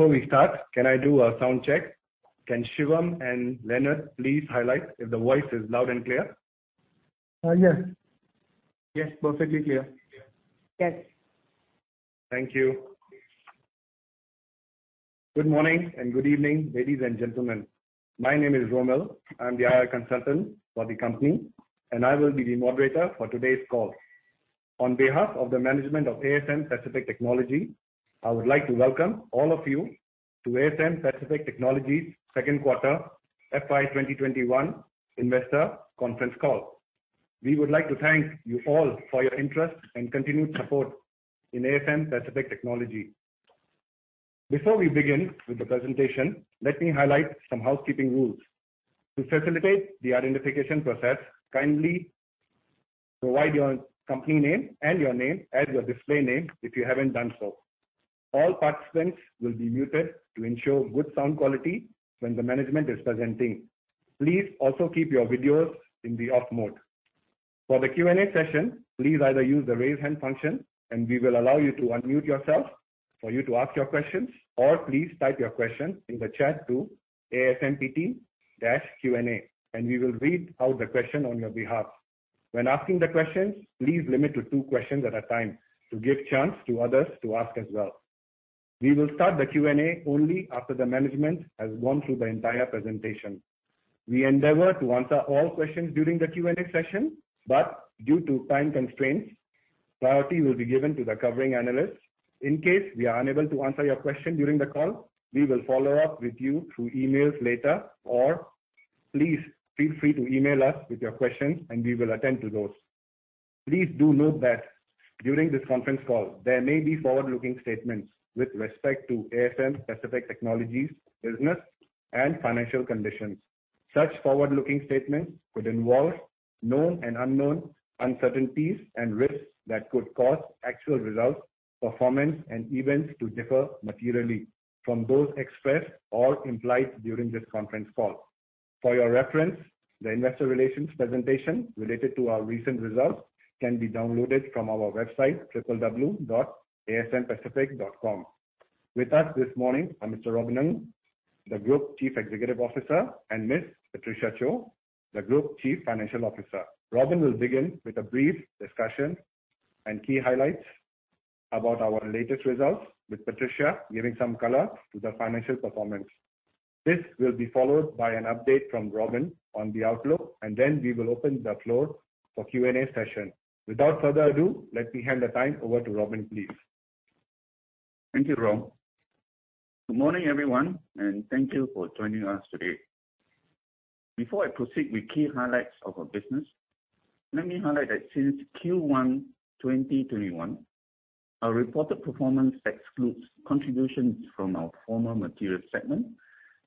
Thank you. Good morning and good evening, ladies and gentlemen. My name is Romil. I'm the IR Consultant for the company, and I will be the moderator for today's call. On behalf of the management of ASM Pacific Technology, I would like to welcome all of you to ASM Pacific Technology's second quarter FY 2021 investor conference call. We would like to thank you all for your interest and continued support in ASM Pacific Technology. Before we begin with the presentation, let me highlight some housekeeping rules. To facilitate the identification process, kindly provide your company name and your name as your display name if you haven't done so. All participants will be muted to ensure good sound quality when the management is presenting. Please also keep your videos in the off mode. For the Q&A session, please either use the raise hand function and we will allow you to unmute yourself for you to ask your questions, or please type your question in the chat to ASMPT-Q&A, and we will read out the question on your behalf. When asking the questions, please limit to two questions at a time to give chance to others to ask as well. We will start the Q&A only after the management has gone through the entire presentation. We endeavor to answer all questions during the Q&A session, but due to time constraints, priority will be given to the covering analysts. In case we are unable to answer your question during the call, we will follow up with you through emails later, or please feel free to email us with your questions and we will attend to those. Please do note that during this conference call, there may be forward-looking statements with respect to ASM Pacific Technology's business and financial conditions. Such forward-looking statements could involve known and unknown uncertainties and risks that could cause actual results, performance, and events to differ materially from those expressed or implied during this conference call. For your reference, the investor relations presentation related to our recent results can be downloaded from our website, www.asmpacific.com. With us this morning are Mr. Robin Ng, the Group Chief Executive Officer, and Ms. Patricia Chou, the Group Chief Financial Officer. Robin will begin with a brief discussion and key highlights about our latest results, with Patricia giving some color to the financial performance. This will be followed by an update from Robin on the outlook, and then we will open the floor for Q&A session. Without further ado, let me hand the time over to Robin, please. Thank you, Rom. Good morning, everyone, and thank you for joining us today. Before I proceed with key highlights of our business, let me highlight that since Q1 2021, our reported performance excludes contributions from our former Materials segment,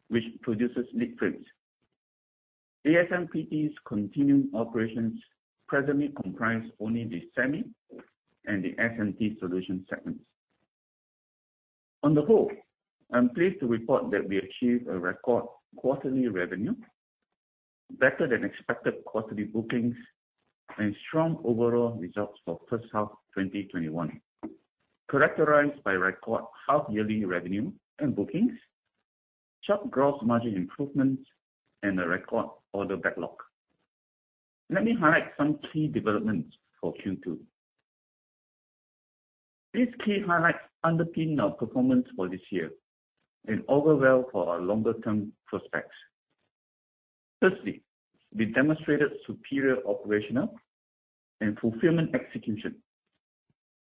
which produces leadframes. ASMPT's continuing operations presently comprise only the semi and the SMT Solution segments. On the whole, I'm pleased to report that we achieved a record quarterly revenue, better than expected quarterly bookings, and strong overall results for first half 2021, characterized by record half-yearly revenue and bookings, sharp gross margin improvements, and a record order backlog. Let me highlight some key developments for Q2. These key highlights underpin our performance for this year and augur well for our longer-term prospects. Firstly, we demonstrated superior operational and fulfillment execution.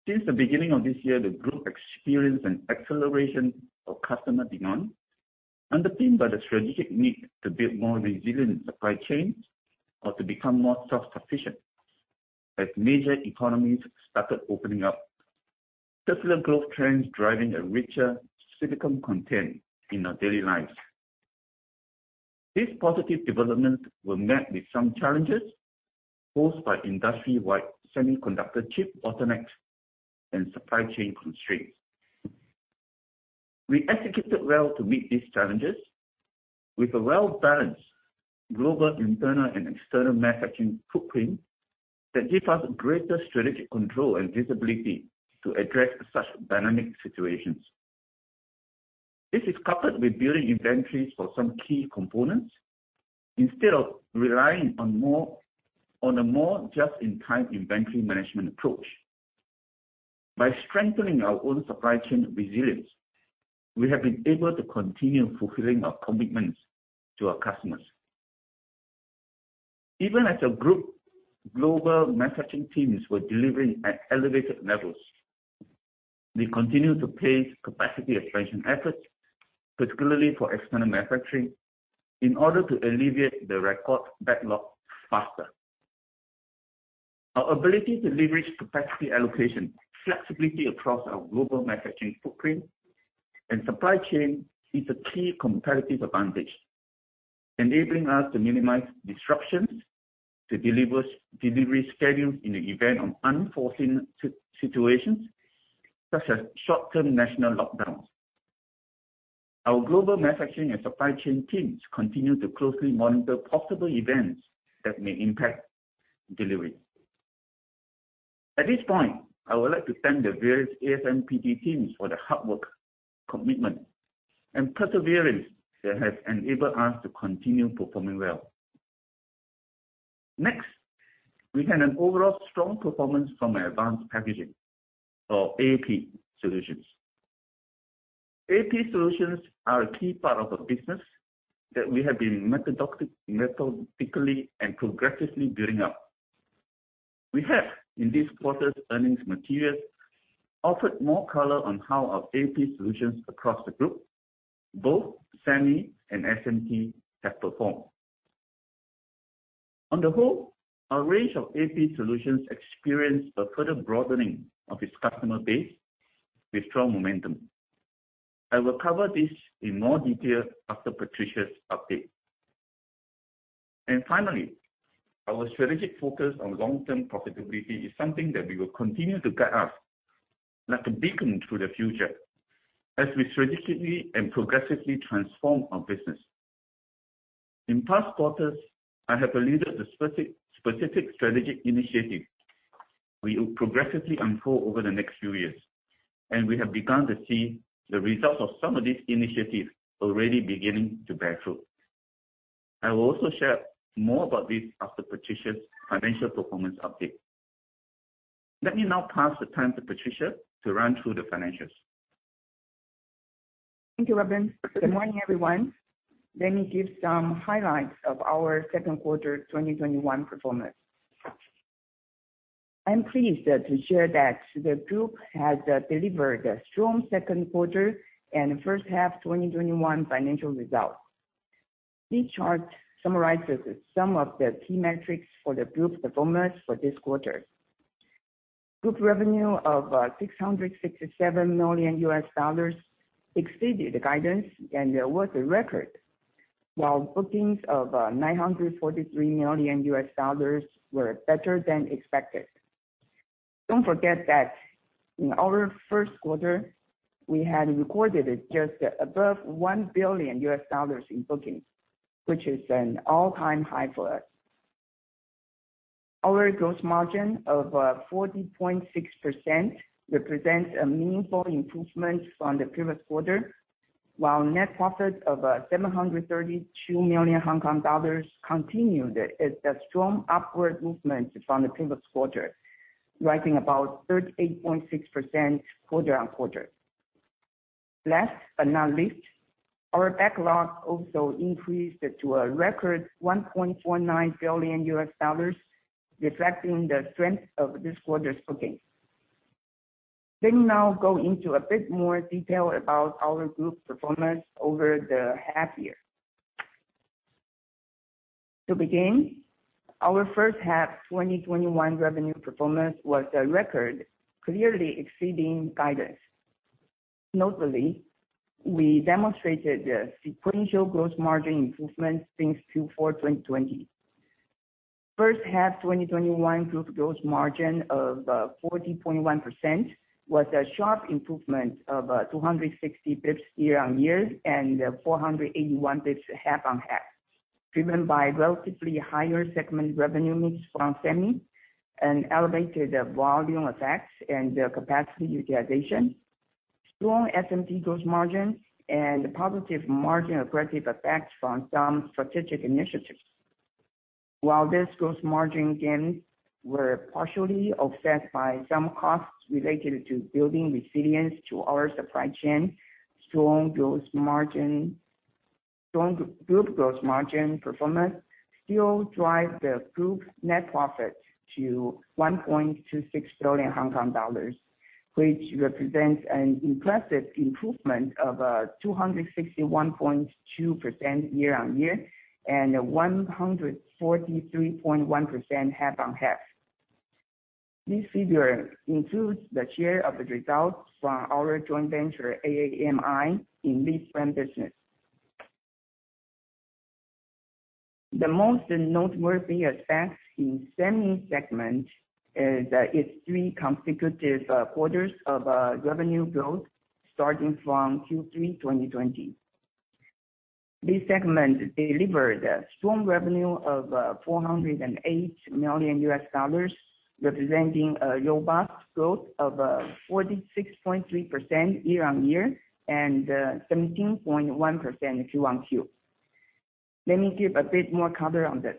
Since the beginning of this year, the group experienced an acceleration of customer demand, underpinned by the strategic need to build more resilient supply chains or to become more self-sufficient as major economies started opening up. Secular growth trends driving a richer silicon content in our daily lives. These positive developments were met with some challenges, posed by industry-wide semiconductor chip bottlenecks and supply chain constraints. We executed well to meet these challenges with a well-balanced global internal and external manufacturing footprint that gave us greater strategic control and visibility to address such dynamic situations. This is coupled with building inventories for some key components instead of relying on a more just-in-time inventory management approach. By strengthening our own supply chain resilience, we have been able to continue fulfilling our commitments to our customers. Even as our group global manufacturing teams were delivering at elevated levels, we continued to place capacity expansion efforts, particularly for external manufacturing, in order to alleviate the record backlog faster. Our ability to leverage capacity allocation flexibility across our global manufacturing footprint and supply chain is a key competitive advantage, enabling us to minimize disruptions to delivery schedules in the event of unforeseen situations, such as short-term national lockdowns. Our global manufacturing and supply chain teams continue to closely monitor possible events that may impact delivery. At this point, I would like to thank the various ASMPT teams for their hard work, commitment, and perseverance that has enabled us to continue performing well. Next, we had an overall strong performance from our Advanced Packaging, or AP Solutions. AP Solutions are a key part of a business that we have been methodically and progressively building up. We have, in this quarter's earnings materials, offered more color on how our AP Solutions across the group, both SEMI and SMT, have performed. On the whole, our range of AP Solutions experienced a further broadening of its customer base with strong momentum. I will cover this in more detail after Patricia's update. Finally, our strategic focus on long-term profitability is something that will continue to guide us like a beacon to the future as we strategically and progressively transform our business. In past quarters, I have alluded to specific strategic initiatives we will progressively unfold over the next few years, and we have begun to see the results of some of these initiatives already beginning to bear fruit. I will also share more about this after Patricia's financial performance update. Let me now pass the time to Patricia to run through the financials. Thank you, Robin. Good morning, everyone. Let me give some highlights of our Q2 2021 performance. I am pleased to share that the Group has delivered a strong Q2 and first half 2021 financial results. This chart summarizes some of the key metrics for the Group's performance for this quarter. Group revenue of $667 million exceeded guidance and was a record. While bookings of $943 million were better than expected. Don't forget that in our first quarter, we had recorded just above $1 billion in bookings, which is an all-time high for us. Our gross margin of 40.6% represents a meaningful improvement from the previous quarter, while net profit of 732 million Hong Kong dollars continued a strong upward movement from the previous quarter, rising about 38.6% quarter-on-quarter. Last but not least, our backlog also increased to a record $1.49 billion, reflecting the strength of this quarter's bookings. Let me now go into a bit more detail about our Group's performance over the half-year. To begin, our first half 2021 revenue performance was a record, clearly exceeding guidance. Notably, we demonstrated sequential gross margin improvements since Q4 2020. First-half 2021 group gross margin of 40.1% was a sharp improvement of 260 bps year-on-year and 481 bps half-on-half, driven by relatively higher segment revenue mix from SEMI and elevated volume effects and capacity utilization, strong SMT gross margin, and positive margin accretive effects from some strategic initiatives. While these gross margin gains were partially offset by some costs related to building resilience to our supply chain, strong group gross margin performance still drives the group net profit to 1.26 billion Hong Kong dollars, which represents an impressive improvement of 261.2% year-on-year and 143.1% half-on-half. This figure includes the share of the results from our joint venture, AAMI, in the lease business. The most noteworthy aspect in SEMI segment is its three consecutive quarters of revenue growth starting from Q3 2020. This segment delivered a strong revenue of $408 million, representing a robust growth of 46.3% year-on-year and 17.1% Q-on-Q. Let me give a bit more color on this.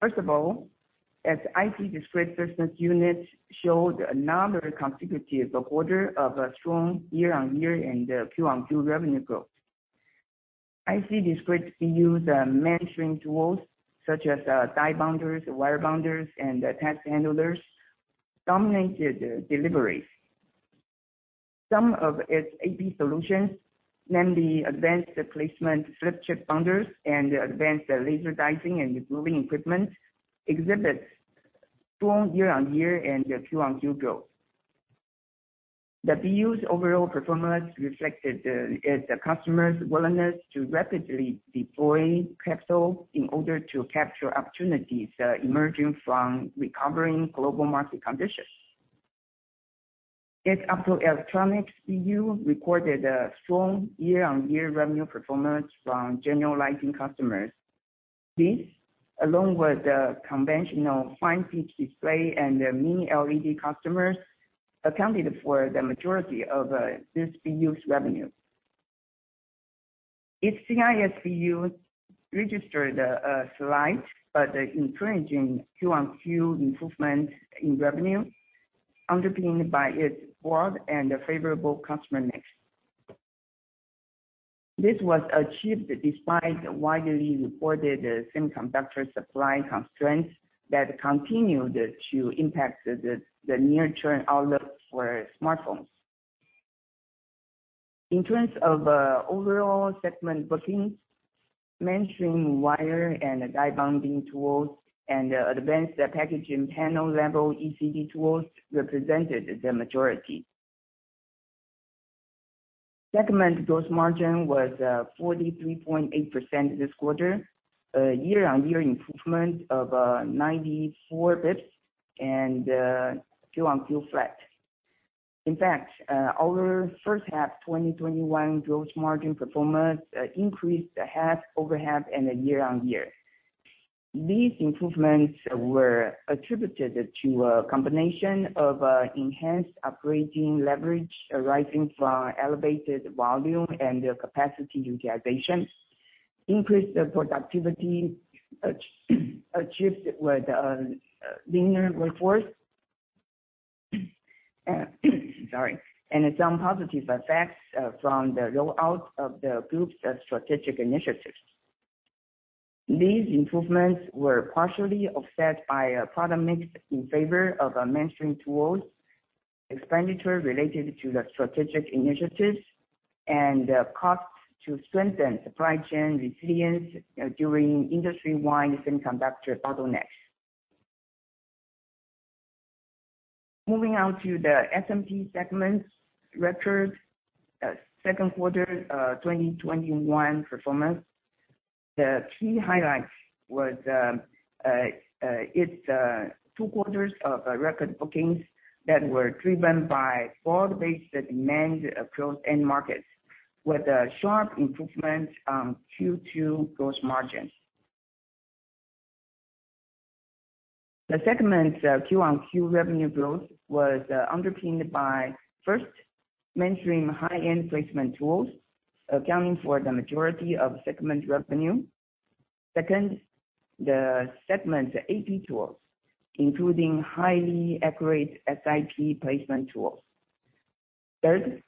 First of all, as IC/Discrete business units showed another consecutive quarter of strong year-on-year and Q-on-Q revenue growth. IC/Discrete use mainstream tools such as die bonders, wire bonders, and test handlers dominated deliveries. Some of its AP Solutions, namely advanced placement flip chip bonders and advanced laser dicing and removing equipment, exhibit strong year-on-year and Q-on-Q growth. The BU's overall performance reflected its customers' willingness to rapidly deploy capital in order to capture opportunities emerging from recovering global market conditions. Its Optoelectronics BU recorded a strong year-on-year revenue performance from general lighting customers. This, along with the conventional fine pitch display and the Mini LED customers, accounted for the majority of this BU's revenue. Its CIS BU registered a slight but encouraging Q-on-Q improvement in revenue, underpinned by its broad and favorable customer mix. This was achieved despite widely reported semiconductor supply constraints that continued to impact the near-term outlook for smartphones. In terms of overall segment bookings, mainstream Wire and Die Bonding tools and Advanced Packaging panel level ECD tools represented the majority. Segment gross margin was 43.8% this quarter, a year-on-year improvement of 94 basis points and quarter-on-quarter flat. In fact, our first half 2021 gross margin performance increased half-over-half and year-on-year. These improvements were attributed to a combination of enhanced operating leverage arising from elevated volume and the capacity utilization, increased productivity achieved with leaner workforce, sorry, and some positive effects from the rollout of the Group's Strategic Initiatives. These improvements were partially offset by a product mix in favor of mainstream tools, expenditure related to the Strategic Initiatives, and costs to strengthen supply chain resilience during industry-wide semiconductor bottlenecks. Moving on to the SMT segment's record second quarter 2021 performance. The key highlight was its two quarters of record bookings that were driven by broad-based demand across end markets, with a sharp improvement on Q2 gross margin. The segment's quarter-over-quarter revenue growth was underpinned by, first, mainstream high-end placement tools, accounting for the majority of segment revenue. Second, the segment's AP tools, including highly accurate SiP placement tools. Third,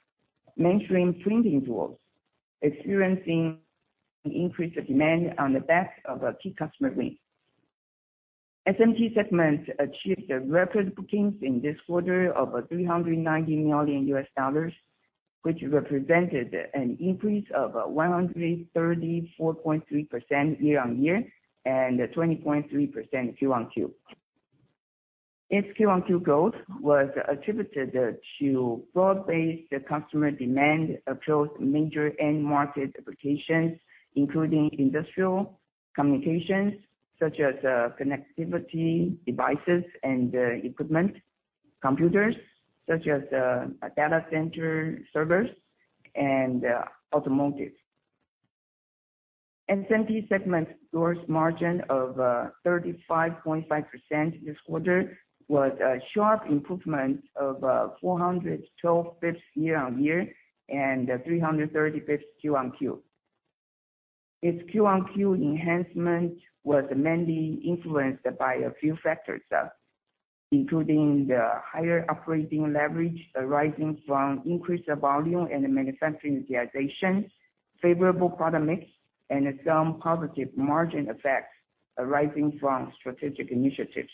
mainstream printing tools, experiencing increased demand on the back of a key customer win. SMT segment achieved record bookings in this quarter of $390 million, which represented an increase of 134.3% year-over-year and 20.3% quarter-over-quarter. Its quarter-over-quarter growth was attributed to broad-based customer demand across major end market applications, including industrial, communications, such as connectivity devices and equipment, computers, such as data center servers, and automotive. SMT segment's gross margin of 35.5% this quarter was a sharp improvement of 412 bps year-over-year and 330 bps quarter-over-quarter. Its Q-on-Q enhancement was mainly influenced by a few factors, including the higher operating leverage arising from increased volume and manufacturing utilization, favorable product mix, and some positive margin effects arising from strategic initiatives.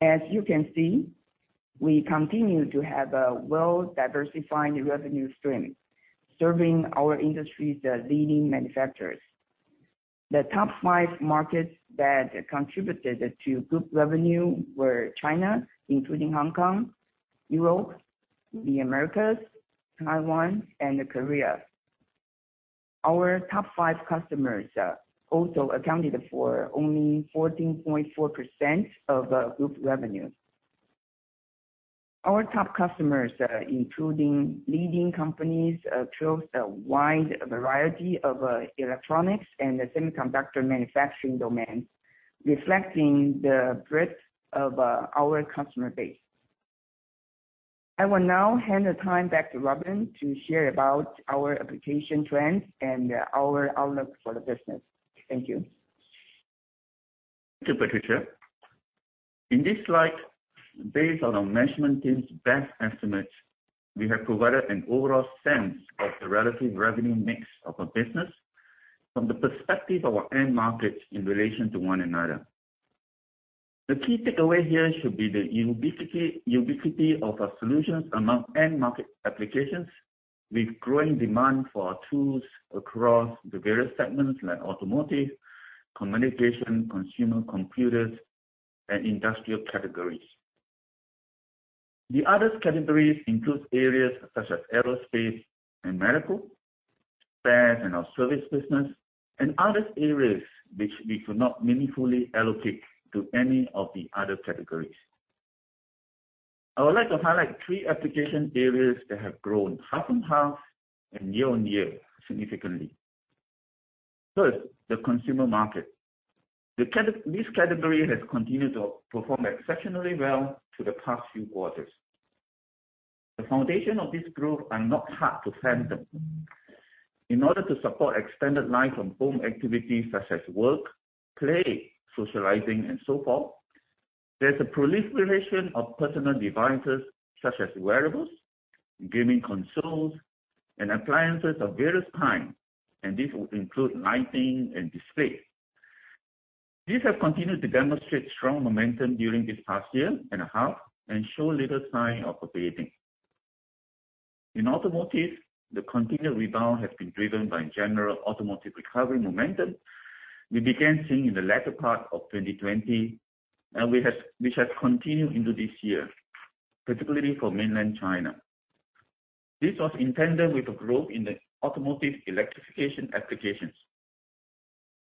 As you can see, we continue to have a well-diversified revenue stream, serving our industry's leading manufacturers. The top five markets that contributed to group revenue were China, including Hong Kong, Europe, the Americas, Taiwan, and Korea. Our top five customers also accounted for only 14.4% of group revenue. Our top customers, including leading companies across a wide variety of electronics and semiconductor manufacturing domains, reflecting the breadth of our customer base. I will now hand the time back to Robin to share about our application trends and our outlook for the business. Thank you. Thank you, Patricia. In this slide, based on our management team's best estimates, we have provided an overall sense of the relative revenue mix of our business from the perspective of our end markets in relation to one another. The key takeaway here should be the ubiquity of our solutions among end market applications, with growing demand for our tools across the various segments like automotive, communication, consumer, computers, and industrial categories. The other categories include areas such as aerospace and medical, spares and our service business, and other areas which we could not meaningfully allocate to any of the other categories. I would like to highlight three application areas that have grown half-on-half and year-on-year significantly. First, the consumer market. This category has continued to perform exceptionally well through the past few quarters. The foundation of this growth is not hard to fathom. In order to support extended time from home activities such as work, play, socializing, and so forth, there's a proliferation of personal devices such as wearables, gaming consoles, and appliances of various kinds, and this would include lighting and displays. These have continued to demonstrate strong momentum during this past year and a half and show little sign of abating. In automotive, the continued rebound has been driven by general automotive recovery momentum we began seeing in the latter part of 2020, and which has continued into this year, particularly for mainland China. This was in tandem with the growth in the automotive electrification applications.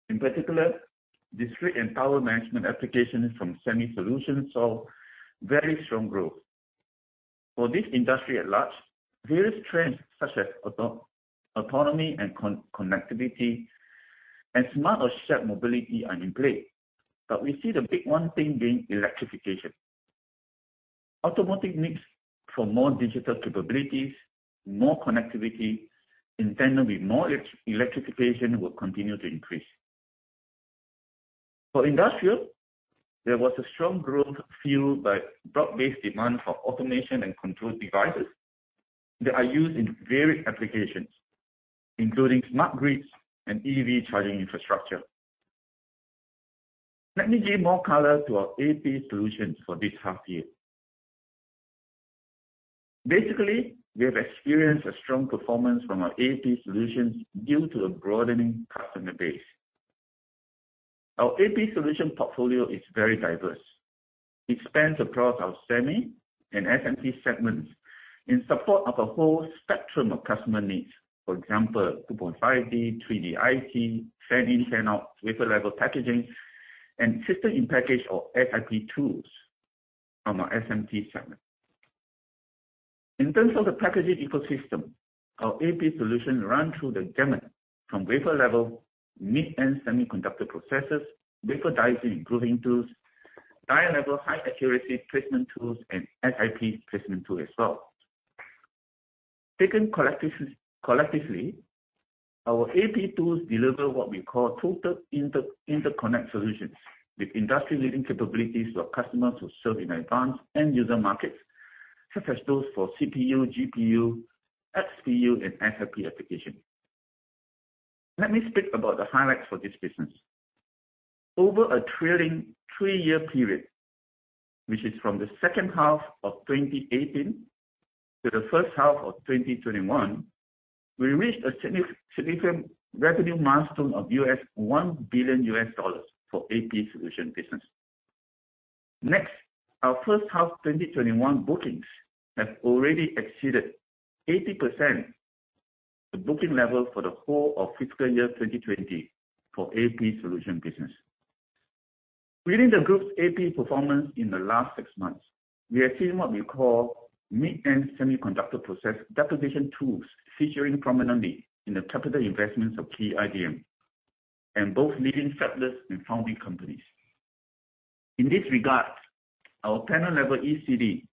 In particular, discrete and power management applications from SEMI Solutions saw very strong growth. For this industry at large, various trends such as autonomy and connectivity and smart or shared mobility are in play. We see the big one thing being electrification. Automotive needs for more digital capabilities, more connectivity, in tandem with more electrification, will continue to increase. For industrial, there was a strong growth fueled by broad-based demand for automation and control devices that are used in various applications, including smart grids and EV charging infrastructure. Let me give more color to our AP Solutions for this half year. Basically, we have experienced a strong performance from our AP Solutions due to a broadening customer base. Our AP Solution portfolio is very diverse. It spans across our semi and SMT segments in support of a whole spectrum of customer needs. For example, 2.5D, 3D IC, fan-in, fan-out, wafer-level packaging, and System in Package or SiP tools from our SMT segment. In terms of the packaging ecosystem, our AP Solution runs through the gamut from wafer-level, mid-end semiconductor processes, wafer dicing and grooving tools, die-level high accuracy placement tools, and SiP placement tool as well. Taken collectively, our AP tools deliver what we call total interconnect solutions with industry-leading capabilities for customers who serve in advanced end user markets, such as those for CPU, GPU, XPU, and SiP applications. Let me speak about the highlights for this business. Over a trailing three-year period, which is from the second half of 2018 to the first half of 2021, we reached a significant revenue milestone of $1 billion for AP Solution business. Next, our first half 2021 bookings have already exceeded 80% the booking level for the whole of fiscal year 2020 for AP Solution business. Within the group's AP performance in the last six months, we have seen what we call mid-end semiconductor process deposition tools featuring prominently in the capital investments of key IDMs and both leading fabless and foundry companies. In this regard, our panel-level ECD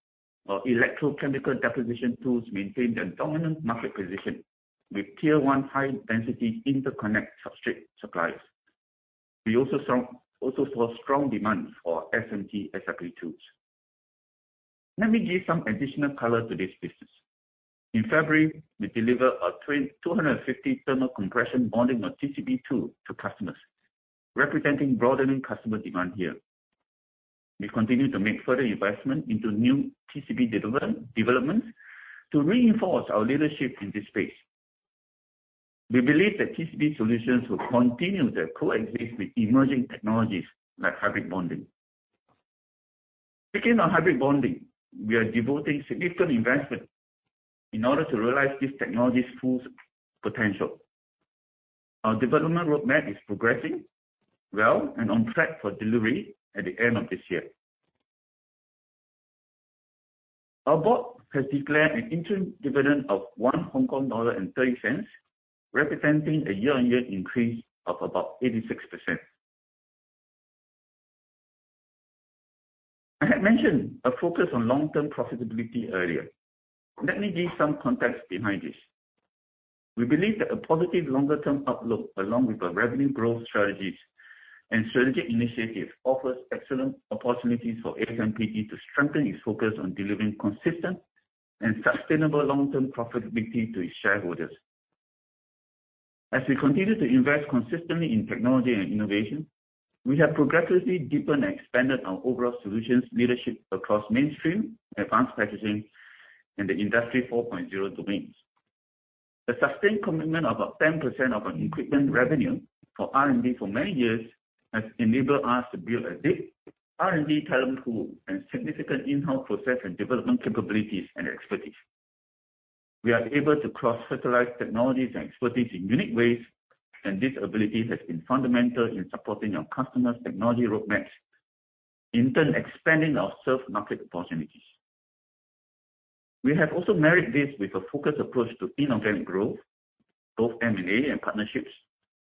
or Electrochemical Deposition tools maintain their dominant market position with tier one high-density interconnect substrate suppliers. We also saw strong demand for SMT SiP tools. Let me give some additional color to this business. In February, we delivered a 250 Thermo-Compression Bonding or TCB tool to customers, representing broadening customer demand here. We continue to make further investment into new TCB developments to reinforce our leadership in this space. We believe that TCB Solutions will continue to coexist with emerging technologies like Hybrid Bonding. Speaking of Hybrid Bonding, we are devoting significant investment in order to realize this technology's full potential. Our development roadmap is progressing well and on track for delivery at the end of this year. Our board has declared an interim dividend of 1.30 Hong Kong dollar, representing a year-on-year increase of about 86%. I had mentioned a focus on long-term profitability earlier. Let me give some context behind this. We believe that a positive longer-term outlook, along with our revenue growth strategies and strategic initiatives, offers excellent opportunities for ASMPT to strengthen its focus on delivering consistent and sustainable long-term profitability to its shareholders. As we continue to invest consistently in technology and innovation, we have progressively deepened and expanded our overall solutions leadership across mainstream, Advanced Packaging, and the Industry 4.0 domains. The sustained commitment of 10% of our equipment revenue for R&D for many years has enabled us to build a deep R&D talent pool and significant in-house process and development capabilities and expertise. We are able to cross-fertilize technologies and expertise in unique ways, and this ability has been fundamental in supporting our customers' technology roadmaps, in turn expanding our served market opportunities. We have also married this with a focused approach to inorganic growth, both M&A and partnerships,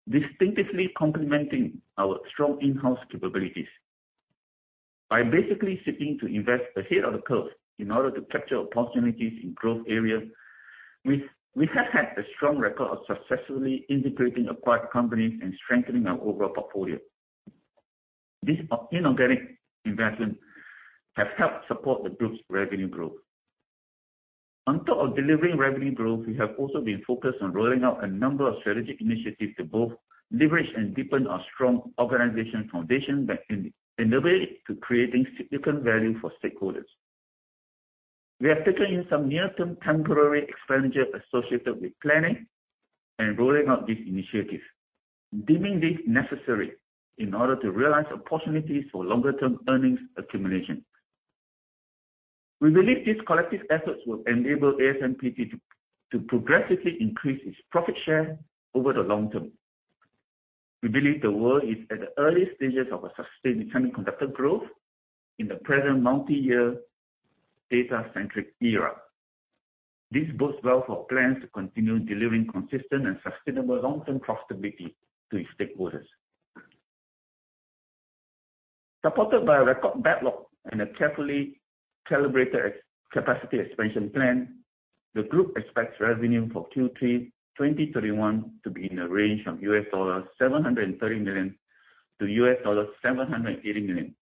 distinctively complementing our strong in-house capabilities. By basically seeking to invest ahead of the curve in order to capture opportunities in growth areas, we have had a strong record of successfully integrating acquired companies and strengthening our overall portfolio. These inorganic investments have helped support the group's revenue growth. On top of delivering revenue growth, we have also been focused on rolling out a number of strategic initiatives to both leverage and deepen our strong organizational foundation that enable it to creating significant value for stakeholders. We have taken in some near-term temporary expenditure associated with planning and rolling out these initiatives, deeming these necessary in order to realize opportunities for longer-term earnings accumulation. We believe these collective efforts will enable ASMPT to progressively increase its profit share over the long term. We believe the world is at the early stages of a sustained semiconductor growth in the present multi-year data-centric era. This bodes well for plans to continue delivering consistent and sustainable long-term profitability to its stakeholders. Supported by a record backlog and a carefully calibrated capacity expansion plan, the group expects revenue for Q3 2021 to be in the range of $730 million-$780 million,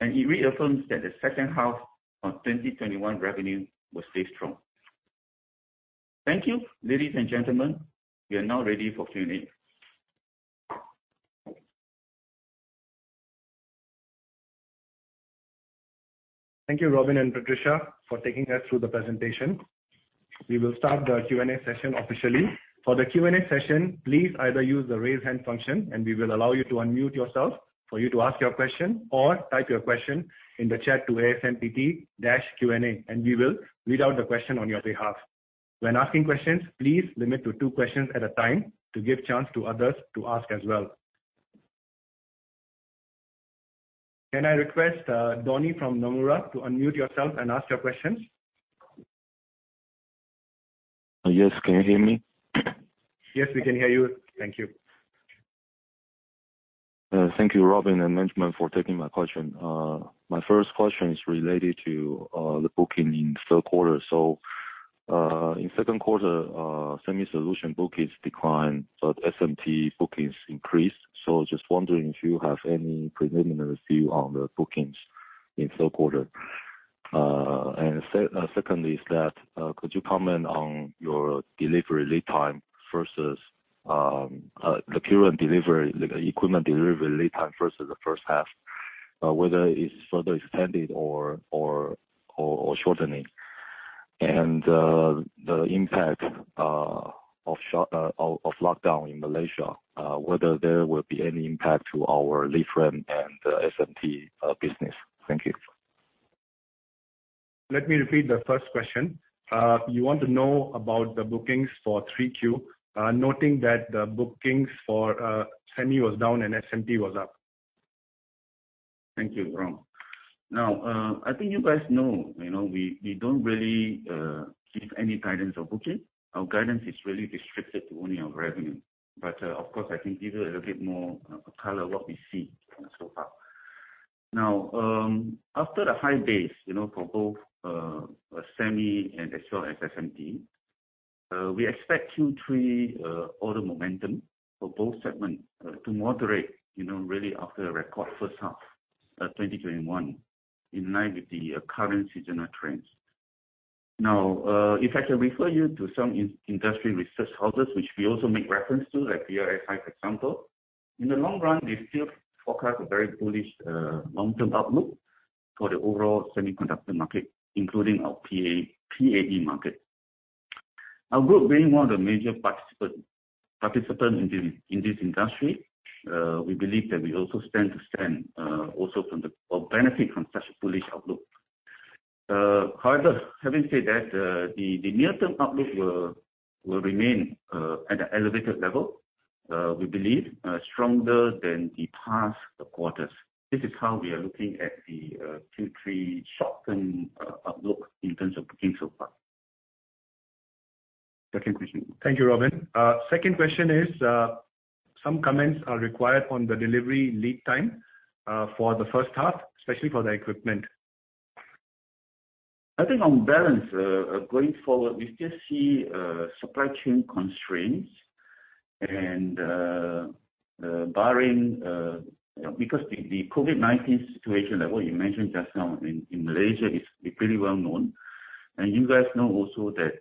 and it reaffirms that the second half of 2021 revenue will stay strong. Thank you, ladies and gentlemen. We are now ready for Q&A. Thank you, Robin and Patricia, for taking us through the presentation. We will start the Q&A session officially. For the Q&A session, please either use the raise hand function, and we will allow you to unmute yourself for you to ask your question, or type your question in the chat to ASMPT-Q&A, and we will read out the question on your behalf. When asking questions, please limit to two questions at a time to give chance to others to ask as well. Can I request Donnie from Nomura to unmute yourself and ask your questions? Yes. Can you hear me? Yes, we can hear you. Thank you. Thank you, Robin and management, for taking my question. My first question is related to the booking in the third quarter. In the second quarter, SEMI Solution bookings declined, but SMT bookings increased. Just wondering if you have any preliminary view on the bookings in the third quarter. Second is that could you comment on your delivery lead time versus the current equipment delivery lead time versus the first half, whether it's further extended or shortening? The impact of lockdown in Malaysia, whether there will be any impact to our leadframe and SMT business. Thank you. Let me repeat the first question. You want to know about the bookings for 3Q, noting that the bookings for semi was down and SMT was up. Thank you, Robin. I think you guys know, we don't really give any guidance of booking. Our guidance is really restricted to only our revenue. Of course, I can give you a little bit more color what we see so far. After the high base for both semi and as well as SMT, we expect Q3 order momentum for both segments to moderate, really after a record first half 2021, in line with the current seasonal trends. If I can refer you to some industry research houses, which we also make reference to, like DRSI, for example. In the long run, they still forecast a very bullish long-term outlook for the overall semiconductor market, including our PAD market. Our group being one of the major participants in this industry, we believe that we also stand to benefit from such a bullish outlook. Having said that, the near-term outlook will remain at an elevated level, we believe stronger than the past quarters. This is how we are looking at the Q3 short-term outlook in terms of bookings so far. Second question. Thank you, Robin. Second question is, some comments are required on the delivery lead time for the first half, especially for the equipment. I think on balance, going forward, we still see supply chain constraints. The COVID-19 situation that you mentioned just now in Malaysia is pretty well known. You guys know also that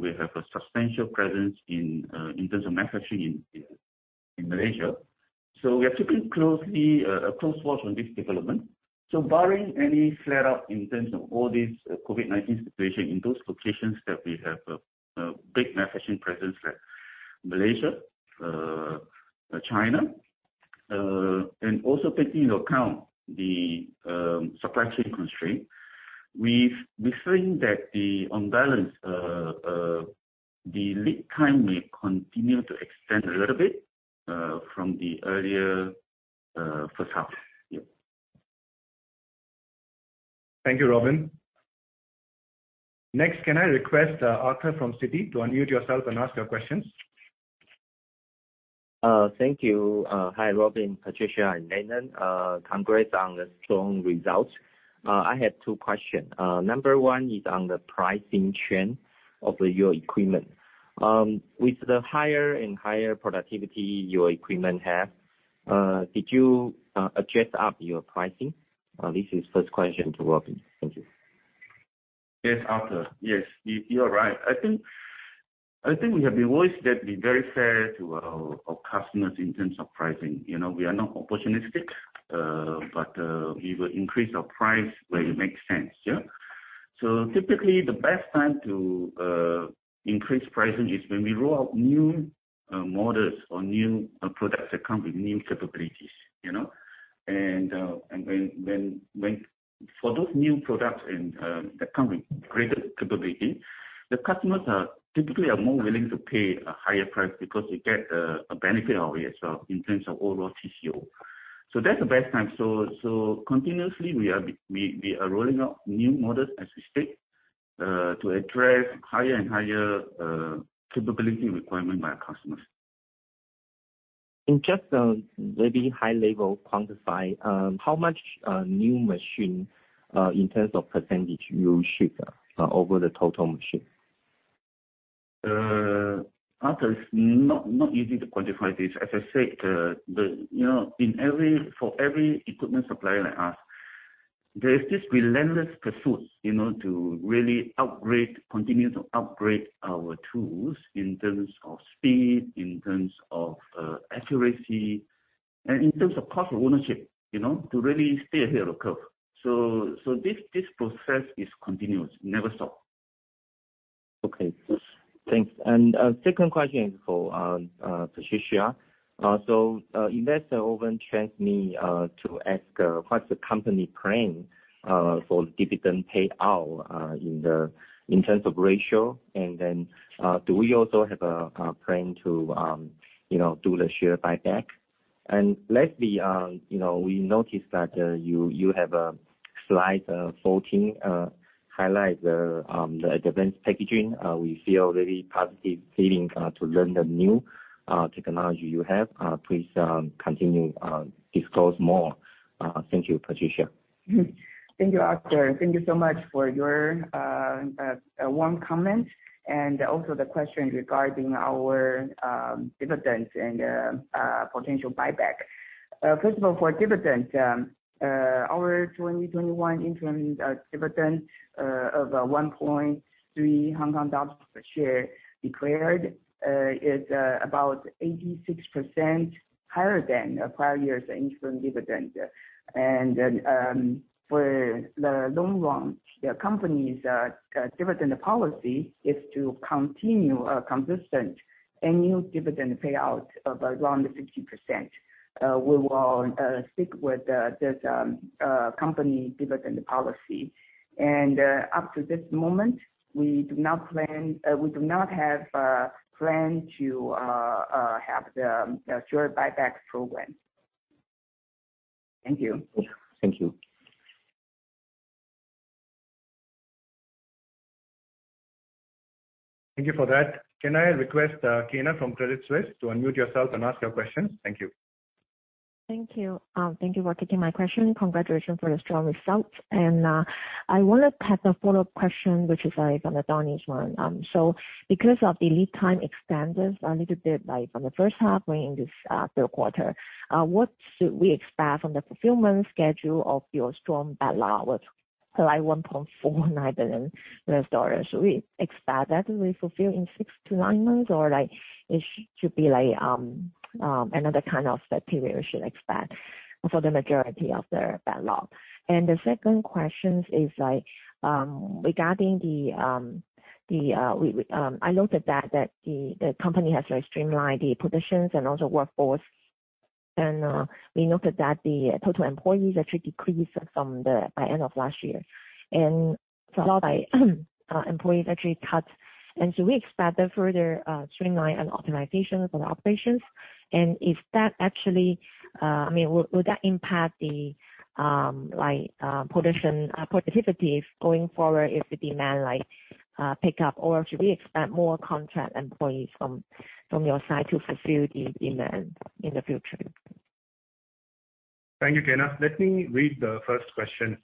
we have a substantial presence in terms of manufacturing in Malaysia. We are keeping a close watch on this development. Barring any flare up in terms of all these COVID-19 situation in those locations that we have a big manufacturing presence like Malaysia, China, and also taking into account the supply chain constraint. We think that the lead time may continue to extend a little bit from the earlier first half. Yeah. Thank you, Robin. Next, can I request Arthur from Citi to unmute yourself and ask your questions? Thank you. Hi, Robin, Patricia. Congrats on the strong results. I have two question. Number one is on the pricing trend of your equipment. With the higher and higher productivity your equipment have, did you adjust up your pricing? This is first question to Robin. Thank you. Yes, Arthur. Yes. You are right. I think we have always been very fair to our customers in terms of pricing. We are not opportunistic, we will increase our price where it makes sense, yeah? Typically, the best time to increase pricing is when we roll out new models or new products that come with new capabilities. For those new products that come with greater capability, the customers typically are more willing to pay a higher price because they get a benefit out of it as well, in terms of overall TCO. That's the best time. Continuously, we are rolling out new models as we speak, to address higher and higher capability requirement by our customers. In just maybe high level quantify, how much new machine, in terms of percentage, you ship over the total machine? Arthur, it's not easy to quantify this. As I said, for every equipment supplier like us, there is this relentless pursuit to really continue to upgrade our tools in terms of speed, in terms of accuracy, and in terms of cost of ownership, to really stay ahead of curve. This process is continuous. Never stop. Okay. Thanks. Second question is for Patricia. Investor often asked me to ask what's the company plan for dividend payout in terms of ratio, and then, do we also have a plan to do the share buyback? Lastly, we noticed that you have slide 14, highlight the Advanced Packaging. We feel very positive feeling to learn the new technology you have. Please continue disclose more. Thank you, Patricia. Thank you, Arthur. Thank you so much for your warm comment and also the question regarding our dividends and potential buyback. First of all, for dividend, our 2021 interim dividend of 1.3 Hong Kong dollars per share declared is about 86% higher than prior year's interim dividend. Then, for the long run, the company's dividend policy is to continue a consistent annual dividend payout of around 50%. We will stick with this company dividend policy. Up to this moment, we do not have plan to have the share buyback program. Thank you. Thank you. Thank you for that. Can I request Kyna from Credit Suisse to unmute yourself and ask your question? Thank you. Thank you. Thank you for taking my question. Congratulations for the strong results. I want to have a follow-up question, which is from Donnie's one. Because of the lead time extended a little bit from the first half going into third quarter, what should we expect from the fulfillment schedule of your strong backlog with $1.49 billion. Should we expect that will fulfill in six to nine months? Or it should be another kind of period we should expect for the majority of the backlog? The second question is regarding. I noted that the company has streamlined the positions and also workforce. We noted that the total employees actually decreased by end of last year, followed by employees actually cut. Should we expect the further streamline and optimization for the operations? Would that impact the productivity going forward if the demand pick up, or should we expect more contract employees from your side to fulfill the demand in the future? Thank you, Kyna. Let me read the first question.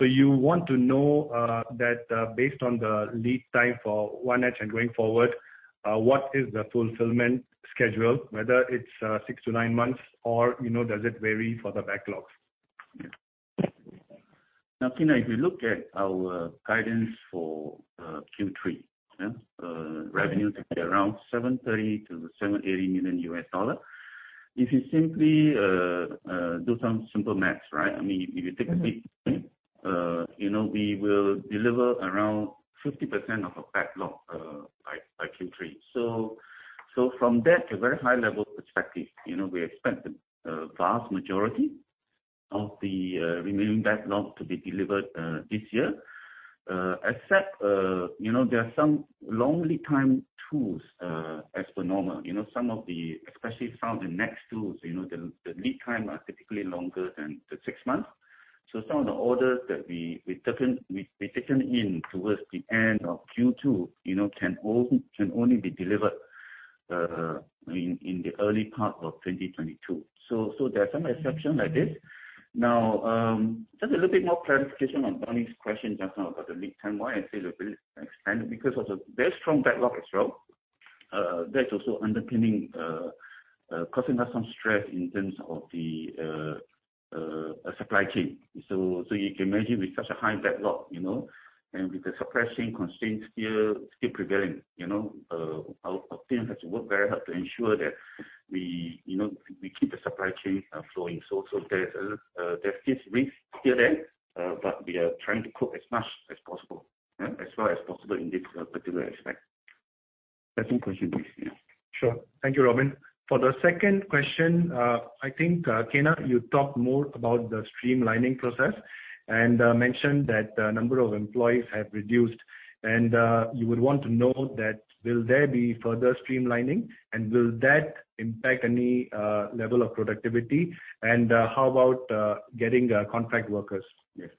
You want to know that based on the lead time for H1 and going forward, what is the fulfillment schedule, whether it's six to nine months or does it vary for the backlogs? Kyna, if you look at our guidance for Q3, revenue to be around $730 million-$780 million. If you simply do some simple math, right? We will deliver around 50% of a backlog by Q3. From that, a very high-level perspective, we expect the vast majority of the remaining backlog to be delivered this year. Except there are some long lead-time tools, as per normal. Especially some of the NEXX tools, the lead-time are typically longer than the six months. Some of the orders that we've taken in towards the end of Q2 can only be delivered in the early part of 2022. There are some exceptions like this. Just a little bit more clarification on Donnie's question just now about the lead time, why I say the lead is extended, because of the very strong backlog as well. That's also causing us some stress in terms of the supply chain. You can imagine with such a high backlog, and with the supply chain constraints still prevailing, our teams have to work very hard to ensure that we keep the supply chain flowing. There's this risk still there, but we are trying to cope as much as possible. As well as possible in this particular aspect. Second question, please. Yeah. Sure. Thank you, Robin. For the second question, I think, Kyna, you talked more about the streamlining process and mentioned that the number of employees have reduced and you would want to know that will there be further streamlining and will that impact any level of productivity and how about getting contract workers? Yes.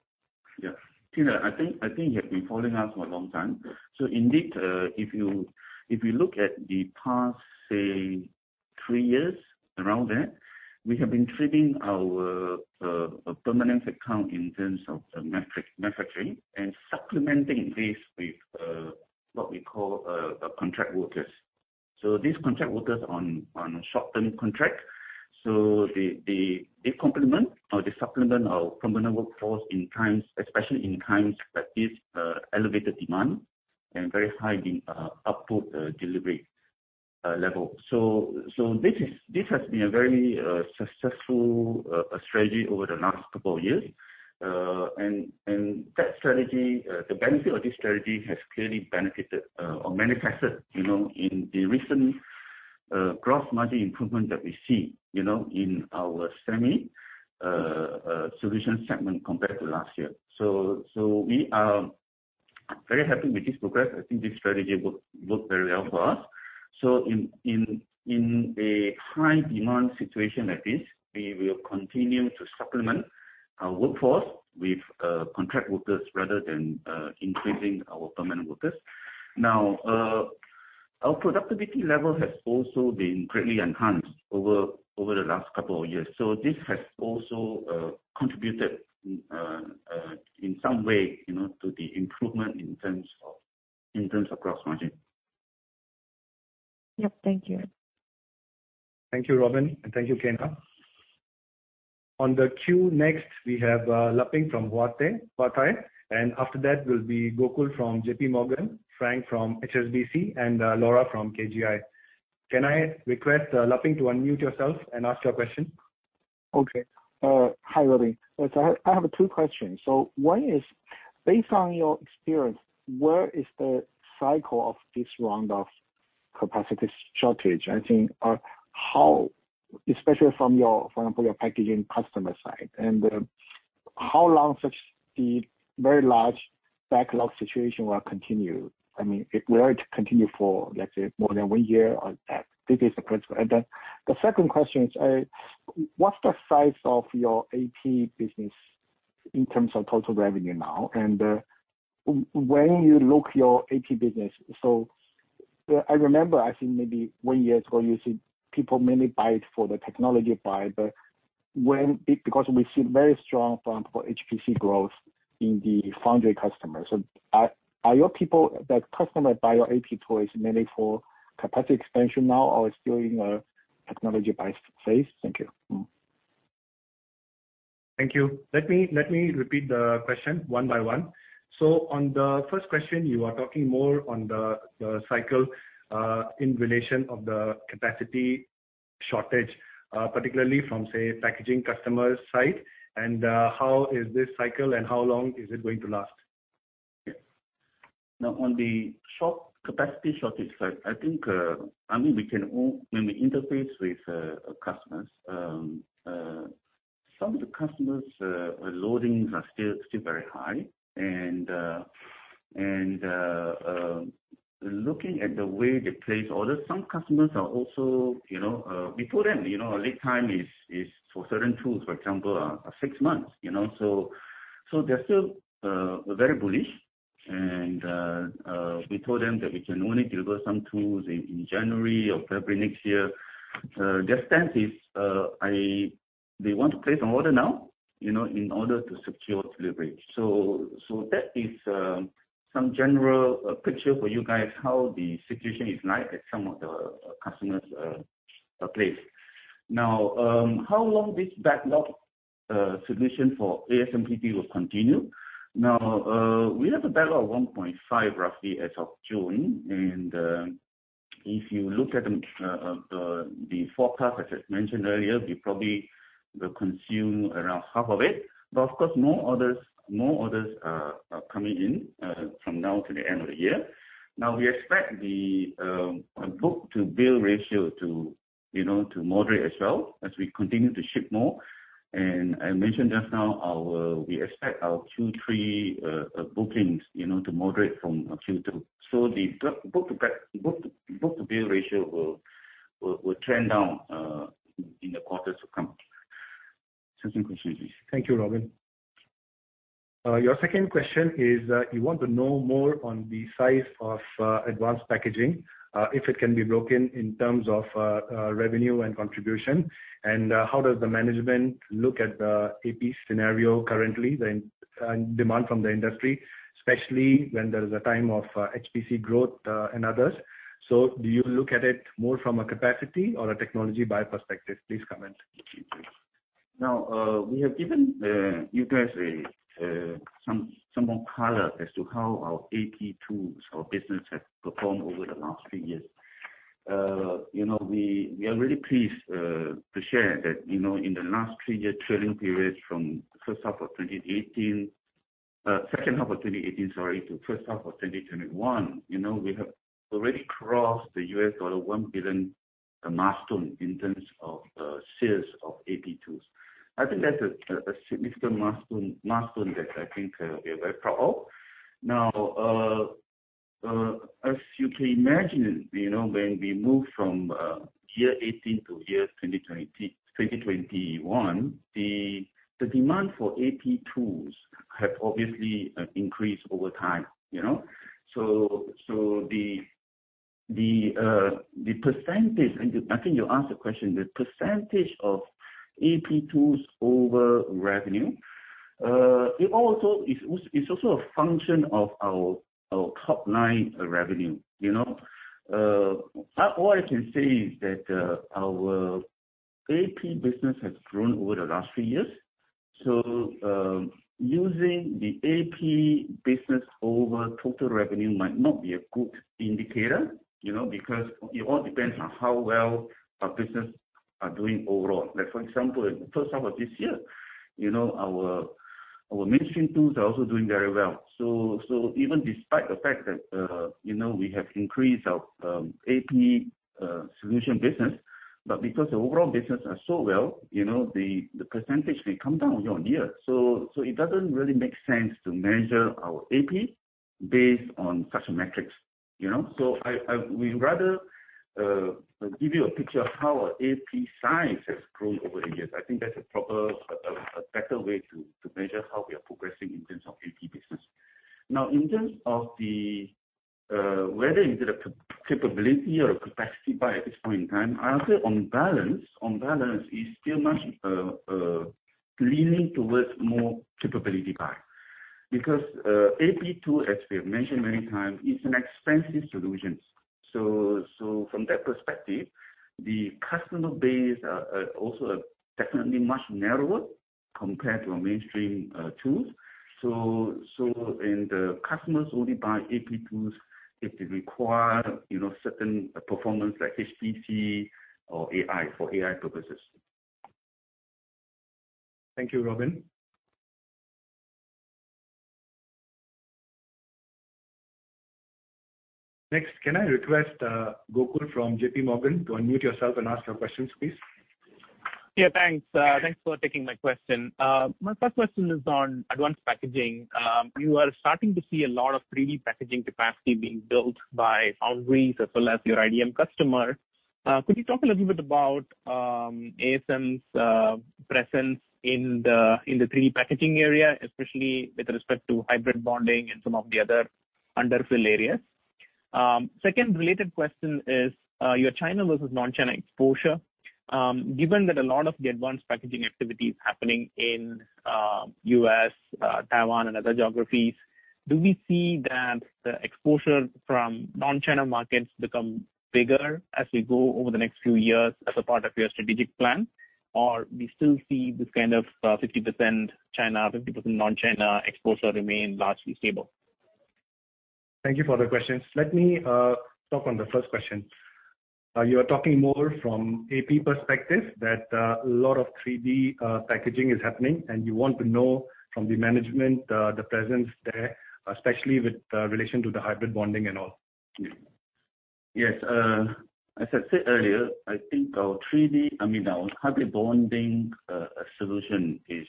Yeah. Kyna, I think you have been following us for a long time. Indeed, if we look at the past, say, three years, around there, we have been treating our permanent account in terms of the manufacturing and supplementing this with what we call contract workers. These contract workers are on short-term contract. They complement or they supplement our permanent workforce, especially in times like this, elevated demand and very high output delivery level. This has been a very successful strategy over the last couple of years. The benefit of this strategy has clearly benefited or manifested in the recent gross margin improvement that we see in our SEMI Solution segment compared to last year. We are very happy with this progress. I think this strategy worked very well for us. In a high-demand situation like this, we will continue to supplement our workforce with contract workers rather than increasing our permanent workers. Our productivity level has also been greatly enhanced over the last couple of years. This has also contributed in some way to the improvement in terms of gross margin. Yep, thank you. Thank you, Robin, and thank you, Kyna. On the queue next, we have Leping from Huatai, and after that will be Gokul from JPMorgan, Frank from HSBC, and Laura from KGI. Can I request Leping to unmute yourself and ask your question? Okay. Hi, Robin. I have two questions. One is, based on your experience, where is the cycle of this round of capacity shortage? Especially from your packaging customer side. How long such the very large backlog situation will continue? Will it continue for, let's say, more than one year or that? This is the first. Then the second question is, what's the size of your AP business in terms of total revenue now? When you look your AP business, so I remember, I think maybe one year ago, you said people mainly buy it for the technology buy. Because we see very strong, for example, HPC growth in the foundry customer. Are your people, that customer buy your AP tools mainly for capacity expansion now or still in a technology buy phase? Thank you. Thank you. Let me repeat the question one by one. On the first question, you are talking more on the cycle in relation of the capacity shortage, particularly from, say, packaging customer side and how is this cycle and how long is it going to last? On the capacity shortage side, I think when we interface with customers, some of the customers' loadings are still very high. Looking at the way they place orders, some customers, we told them, lead time is, for certain tools, for example, are six months. They're still very bullish and we told them that we can only deliver some tools in January or February next year. Their stance is they want to place an order now in order to secure delivery. That is some general picture for you guys how the situation is like at some of the customers' place. How long this backlog solution for ASMPT will continue? We have a backlog of 1.5 roughly as of June. If you look at the forecast, as I mentioned earlier, we probably will consume around half of it. Of course, more orders are coming in from now to the end of the year. We expect the book-to-bill ratio to moderate as well as we continue to ship more. I mentioned just now, we expect our Q3 bookings to moderate from Q2. The book-to-bill ratio will trend down in the quarters to come. Second question, please. Thank you, Robin. Your second question is, you want to know more on the size of Advanced Packaging, if it can be broken in terms of revenue and contribution. How does the management look at the AP scenario currently and demand from the industry, especially when there's a time of HPC growth and others. Do you look at it more from a capacity or a technology buy perspective? Please comment. We have given you guys some more color as to how our AP tools, our business has performed over the last three years. We are really pleased to share that in the last three-year trailing periods, from first half of 2018 Second half of 2018, sorry, to first half of 2021, we have already crossed the $1 billion milestone in terms of sales of AP tools. I think that's a significant milestone that I think we are very proud of. As you can imagine, when we move from year 2018 to year 2021, the demand for AP tools have obviously increased over time. The percentage, and I think you asked the question, the percentage of AP tools over revenue, it's also a function of our top-line revenue. All I can say is that our AP business has grown over the last three years. Using the AP business over total revenue might not be a good indicator because it all depends on how well our business are doing overall. Like for example, in the first half of this year, our mainstream tools are also doing very well. Even despite the fact that we have increased our AP Solution business, but because the overall business are so well, the percentage may come down year-on-year. It doesn't really make sense to measure our AP based on such a metrics. We'd rather give you a picture of how our AP size has grown over the years. I think that's a better way to measure how we are progressing in terms of AP business. Now, in terms of the whether is it a capability or a capacity buy at this point in time, I'll say on balance, it's still much leaning towards more capability buy. Because AP tool, as we have mentioned many times, is an expensive solution. From that perspective, the customer base are also definitely much narrower compared to our mainstream tools. The customers only buy AP tools if they require certain performance like HPC or for AI purposes. Thank you, Robin. Next, can I request Gokul from JPMorgan to unmute yourself and ask your questions, please? Thanks. Thanks for taking my question. My first question is on Advanced Packaging. You are starting to see a lot of 3D packaging capacity being built by foundries as well as your IDM customer. Could you talk a little bit about ASMPT's presence in the 3D packaging area, especially with respect to Hybrid Bonding and some of the other underfill areas? Second related question is your China versus non-China exposure. Given that a lot of the Advanced Packaging activity is happening in U.S., Taiwan, and other geographies, do we see that the exposure from non-China markets become bigger as we go over the next few years as a part of your strategic plan? We still see this kind of 50% China, 50% non-China exposure remain largely stable? Thank you for the questions. Let me talk on the first question. You are talking more from AP perspective that a lot of 3D packaging is happening, and you want to know from the management, the presence there, especially with relation to the Hybrid Bonding and all. Yes. As I've said earlier, I think our 3D, our Hybrid Bonding Solution is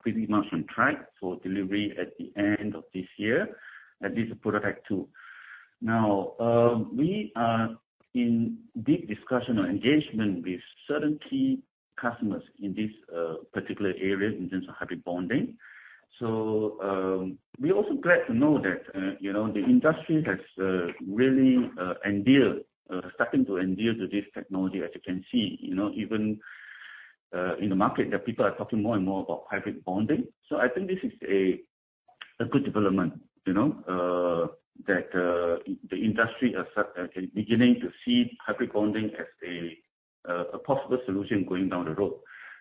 pretty much on track for delivery at the end of this year. That is a product too. We are in deep discussion or engagement with certain key customers in this particular area in terms of Hybrid Bonding. We're also glad to know that the industry has really starting to endear to this technology. As you can see, even in the market that people are talking more and more about Hybrid Bonding. I think this is a good development. That the industry are beginning to see Hybrid Bonding as a possible solution going down the road.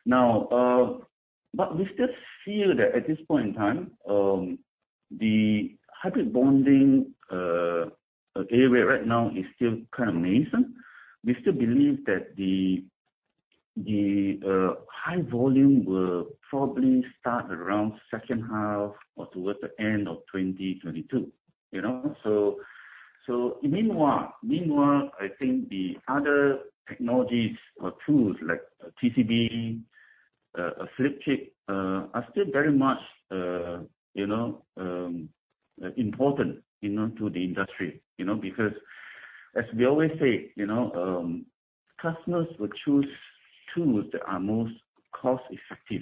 We still feel that at this point in time, the Hybrid Bonding area right now is still kind of nascent. We still believe that the high volume will probably start around second half or towards the end of 2022. Meanwhile, I think the other technologies or tools like TCB, flip chip are still very much important to the industry. As we always say, customers will choose tools that are most cost effective.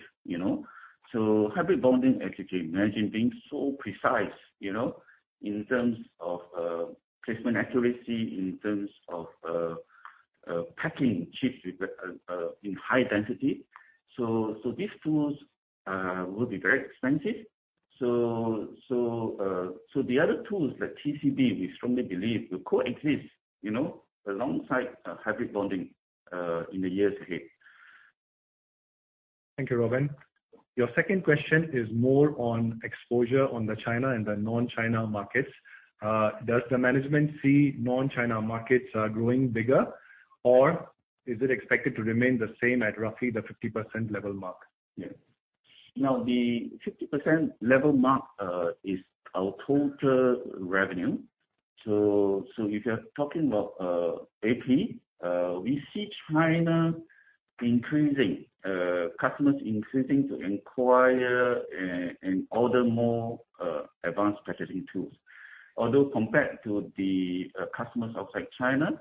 Hybrid Bonding, as you can imagine, being so precise in terms of placement accuracy, in terms of packing chips in high density. These tools will be very expensive. The other tools like TCB, we strongly believe will co-exist alongside Hybrid Bonding in the years ahead. Thank you, Robin. Your second question is more on exposure on the China and the non-China markets. Does the management see non-China markets are growing bigger or is it expected to remain the same at roughly the 50% level mark? Yes. Now the 50% level mark is our total revenue. If you're talking about AP, we see China increasing, customers increasing to inquire and order more Advanced Packaging tools. Compared to the customers outside China,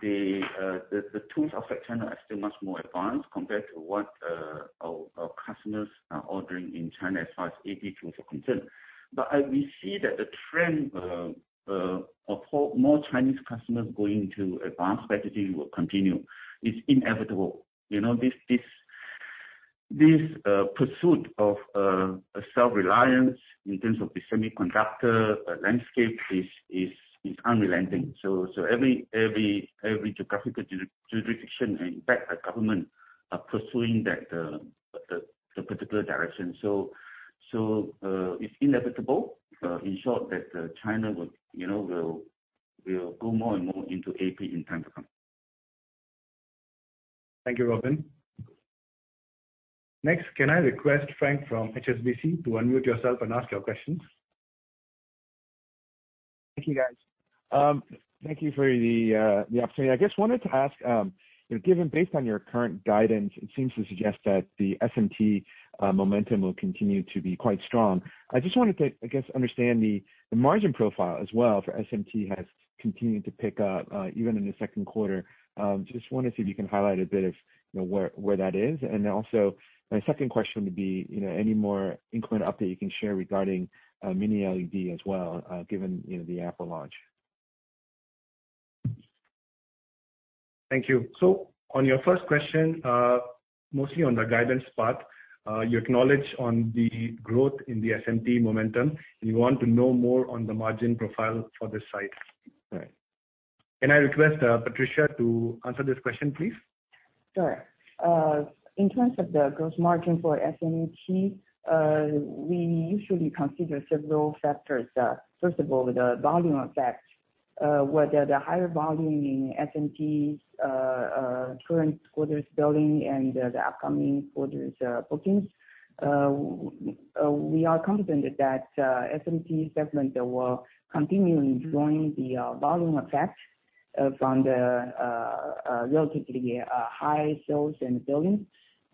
the tools outside China are still much more advanced compared to what our customers are ordering in China as far as AP tools are concerned. We see that the trend of more Chinese customers going to Advanced Packaging will continue. It's inevitable. This pursuit of self-reliance in terms of the semiconductor landscape is unrelenting. Every geographical jurisdiction and, in fact, government are pursuing the particular direction. It's inevitable, in short, that China will go more and more into AP in time to come. Thank you, Robin. Next, can I request Frank from HSBC to unmute yourself and ask your questions? Thank you, guys. Thank you for the opportunity. I just wanted to ask, based on your current guidance, it seems to suggest that the SMT momentum will continue to be quite strong. I just wanted to, I guess, understand the margin profile as well, for SMT has continued to pick up even in the second quarter. Just wanted to see if you can highlight a bit of where that is. My second question would be, any more incremental update you can share regarding Mini LED as well, given the Apple launch. Thank you. On your first question, mostly on the guidance part, you acknowledge on the growth in the SMT momentum. You want to know more on the margin profile for this side. Right. Can I request Patricia to answer this question, please? Sure. In terms of the gross margin for SMT, we usually consider several factors. First of all, the volume effect, whether the higher volume in SMT's current quarter's billing and the upcoming quarter's bookings. We are confident that SMT segment will continue enjoying the volume effect from the relatively high sales and billing.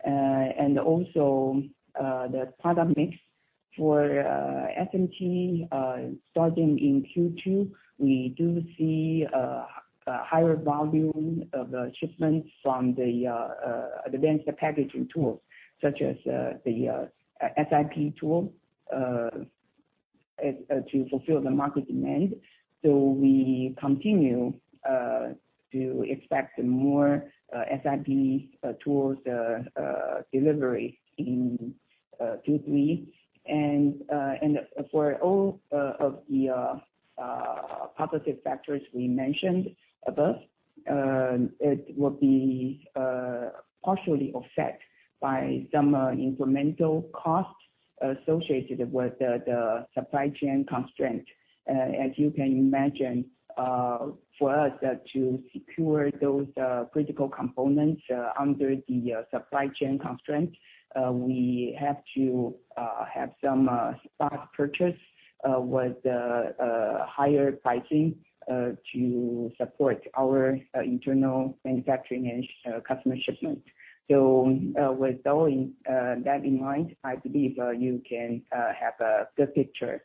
The product mix for SMT, starting in Q2, we do see a higher volume of shipments from the Advanced Packaging tools, such as the SiP tool, to fulfill the market demand. We continue to expect more SiP tools delivery in Q3. For all of the positive factors we mentioned above, it will be partially affected by some incremental costs associated with the supply chain constraint. As you can imagine, for us to secure those critical components under the supply chain constraints, we have to have some stock purchase with higher pricing to support our internal manufacturing and customer shipments. With all that in mind, I believe you can have a good picture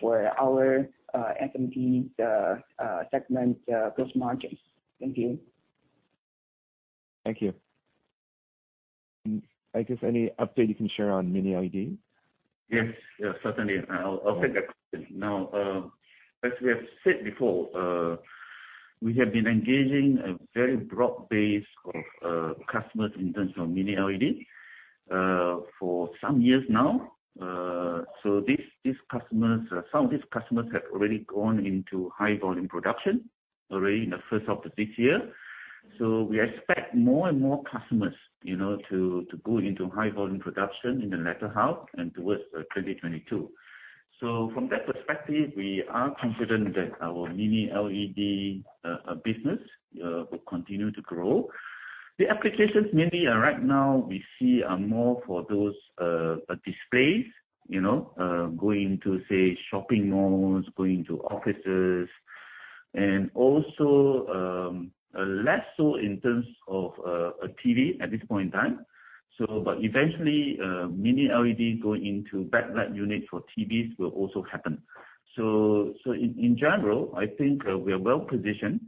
for our SMT segment gross margins. Thank you. Thank you. I guess any update you can share on Mini LED? Yes. Certainly. I'll take that question. As we have said before, we have been engaging a very broad base of customers in terms of Mini LED for some years now. Some of these customers have already gone into high-volume production already in the first half of this year. We expect more and more customers to go into high-volume production in the latter half and towards 2022. From that perspective, we are confident that our Mini LED business will continue to grow. The applications mainly are right now, we see are more for those displays, going into, say, shopping malls, going to offices, and also, less so in terms of TV at this point in time. Eventually, Mini LED going into backlight units for TVs will also happen. In general, I think we are well-positioned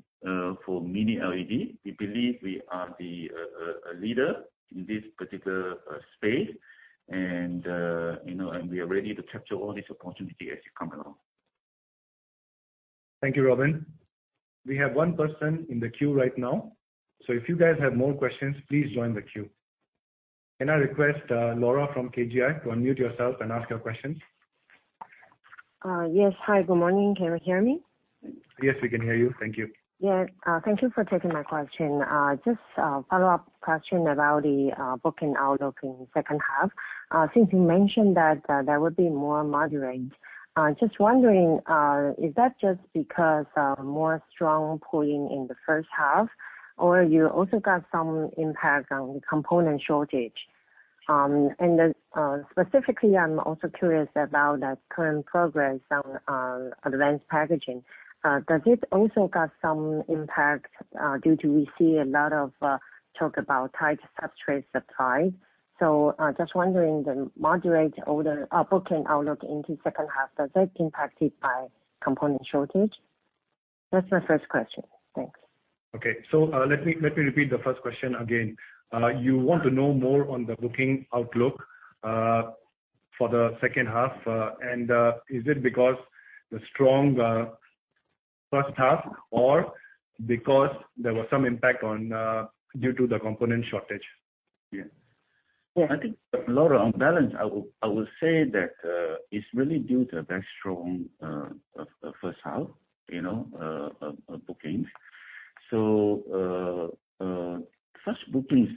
for Mini LED. We believe we are the leader in this particular space and we are ready to capture all this opportunity as it come along. Thank you, Robin. We have one person in the queue right now. So if you guys have more questions, please join the queue. Can I request Laura from KGI to unmute yourself and ask your questions? Yes. Hi. Good morning. Can you hear me? Yes, we can hear you. Thank you. Yes. Thank you for taking my question. Just a follow-up question about the booking outlook in the second half. Since you mentioned that there would be more moderate, just wondering, is that just because more strong pulling in the first half, or you also got some impact on component shortage? Specifically, I'm also curious about the current progress on Advanced Packaging. Does it also got some impact, due to we see a lot of talk about tight substrate supply? Just wondering the moderate booking outlook into second half, does that impacted by component shortage? That's my first question. Thanks. Okay. Let me repeat the first question again. You want to know more on the booking outlook for the second half, and is it because the strong first half or because there was some impact due to the component shortage? Well, I think, Laura, on balance, I would say that it's really due to a very strong first half bookings. First bookings,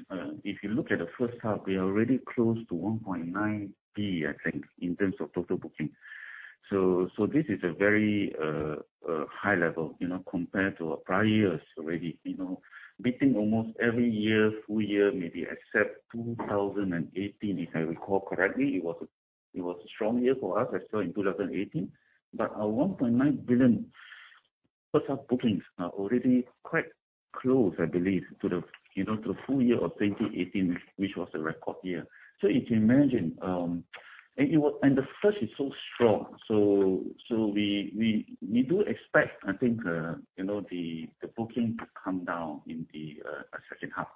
if you look at the first half, we are already close to $1.9 billion, I think, in terms of total booking. This is a very high level compared to our prior years already. Beating almost every year, full year, maybe except 2018, if I recall correctly. It was a strong year for us also in 2018. Our $1.9 billion first half bookings are already quite close, I believe, to the full year of 2018, which was a record year. If you imagine the first is so strong. We do expect, I think, the booking to come down in the second half.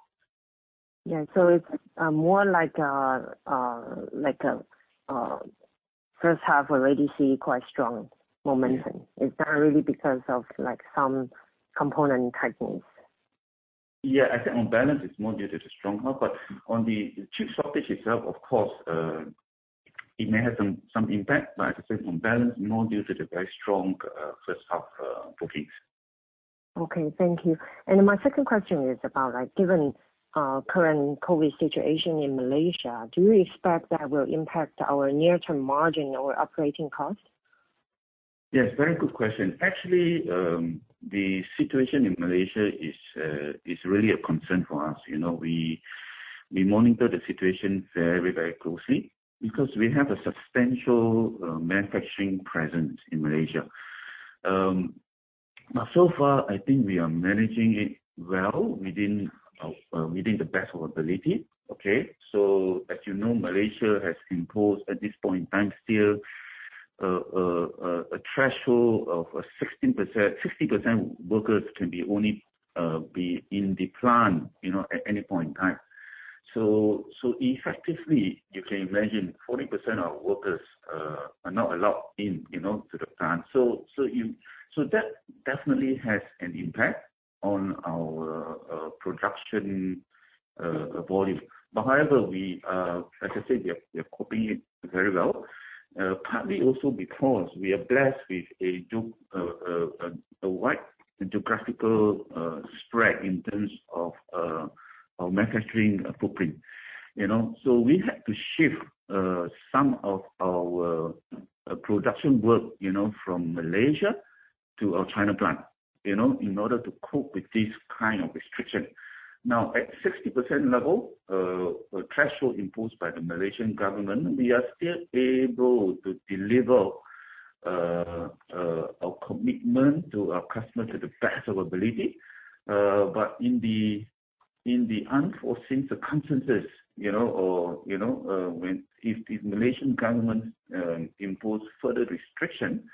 Yeah. It's more like first half already see quite strong momentum. It's not really because of some component tightness. Yeah. I think on balance, it's more due to the strong half. On the chip shortage itself, of course, it may have some impact, but as I said, on balance, more due to the very strong first half bookings. Okay. Thank you. My second question is about, given our current COVID situation in Malaysia, do you expect that will impact our near-term margin or operating cost? Yes. Very good question. Actually, the situation in Malaysia is really a concern for us. We monitor the situation very closely because we have a substantial manufacturing presence in Malaysia. So far, I think we are managing it well within the best of our ability. Okay. As you know, Malaysia has imposed, at this point in time still, a threshold of 60% workers can only be in the plant at any point in time. Effectively, you can imagine 40% of workers are not allowed into the plant. That definitely has an impact on our production volume. However, as I said, we are coping it very well, partly also because we are blessed with a wide geographical spread in terms of our manufacturing footprint. We had to shift some of our production work from Malaysia to our China plant in order to cope with this kind of restriction. Now, at 60% level, the threshold imposed by the Malaysian government, we are still able to deliver our commitment to our customers to the best of our ability. In the unforeseen circumstances or if the Malaysian government impose further restriction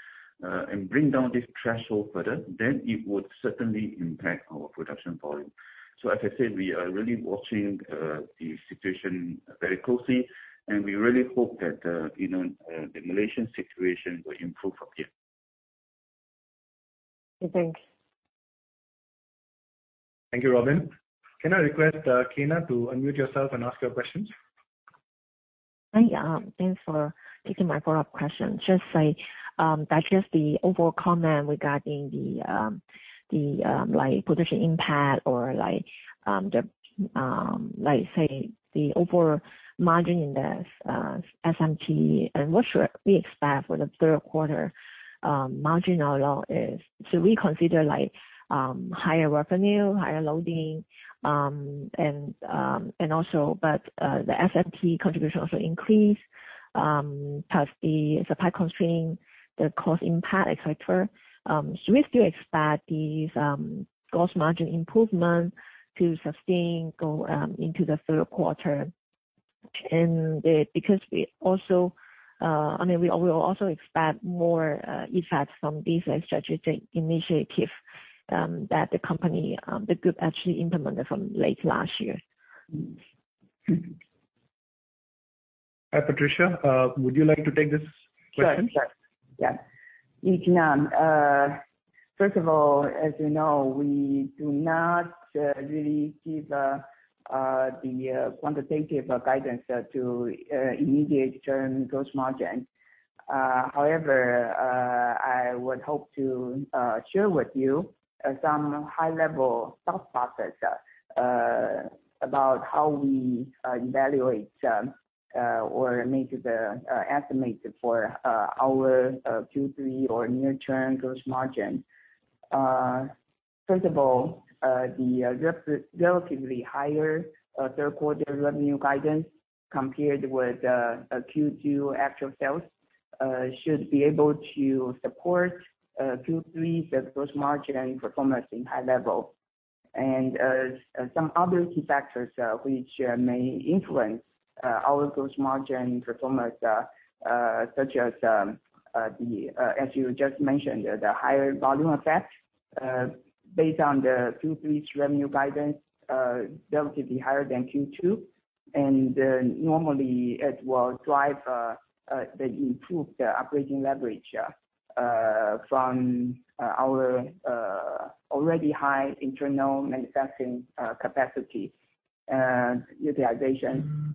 and bring down this threshold further, then it would certainly impact our production volume. As I said, we are really watching the situation very closely, and we really hope that the Malaysian situation will improve from here. Thanks. Thank you, Robin. Can I request, Kyna, to unmute yourself and ask your questions? Hi. Thanks for taking my follow-up question. The overall comment regarding the production impact or the overall margin in the SMT, what should we expect for the third quarter margin overall is? We consider higher revenue, higher loading, but the SMT contribution also increased, plus the supply constraint, the cost impact, et cetera. We still expect these gross margin improvements to sustain going into the third quarter. Because we will also expect more effects from these strategic initiatives that the group actually implemented from late last year. Hi, Patricia. Would you like to take this question? Sure. Yes. Kyna, first of all, as you know, we do not really give the quantitative guidance to immediate term gross margin. I would hope to share with you some high-level thought process about how we evaluate or make the estimate for our Q3 or near-term gross margin. Some other key factors which may influence our gross margin performance, such as you just mentioned, the higher volume effect based on the Q3's revenue guidance, relatively higher than Q2. Normally, it will drive the improved operating leverage from our already high internal manufacturing capacity utilization.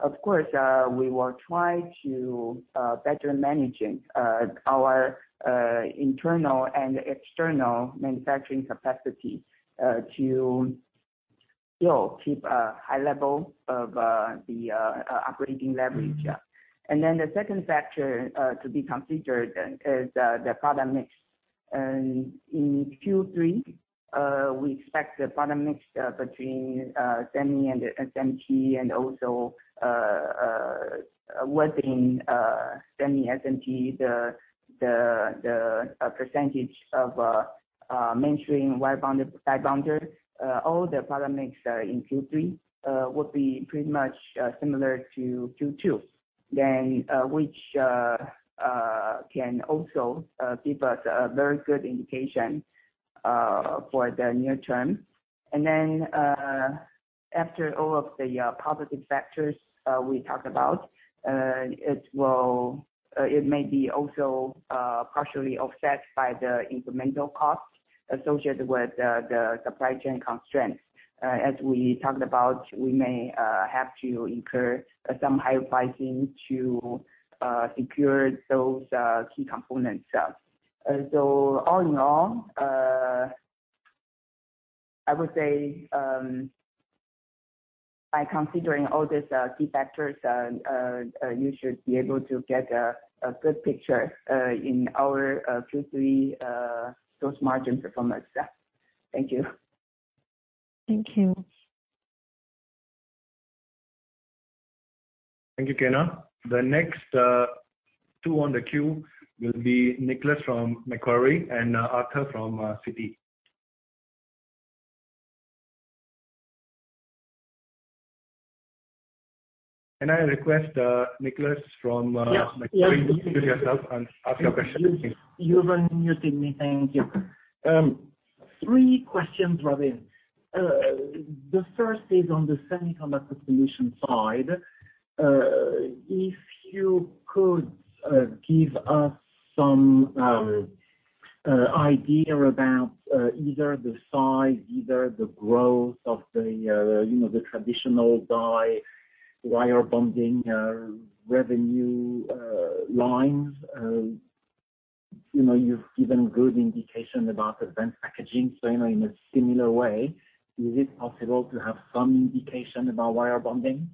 We will try to better manage our internal and external manufacturing capacity to still keep a high level of the operating leverage. The second factor to be considered is the product mix. In Q3, we expect the product mix between semi and SMT, and also within semi SMT, the percentage of mainstream wire bonder, die bonder. All the product mix in Q3 will be pretty much similar to Q2, which can also give us a very good indication for the near term. After all of the positive factors we talked about, it may be also partially offset by the incremental costs associated with the supply chain constraints. As we talked about, we may have to incur some higher pricing to secure those key components. All in all, I would say by considering all these key factors, you should be able to get a good picture in our Q3 gross margin performance. Thank you. Thank you. Thank you, Kyna. The next two on the queue will be Nicholas from Macquarie and Arthur from Citi. Can I request, Nicholas from- Yes Macquarie to unmute yourself and ask your question? You've unmuted me. Thank you. Three questions, Robin. The first is on the Semiconductor Solution side. If you could give us some idea about either the size, either the growth of the traditional Die/Wire Bonding revenue lines. You've given good indication about Advanced Packaging. In a similar way, is it possible to have some indication about Wire Bonding?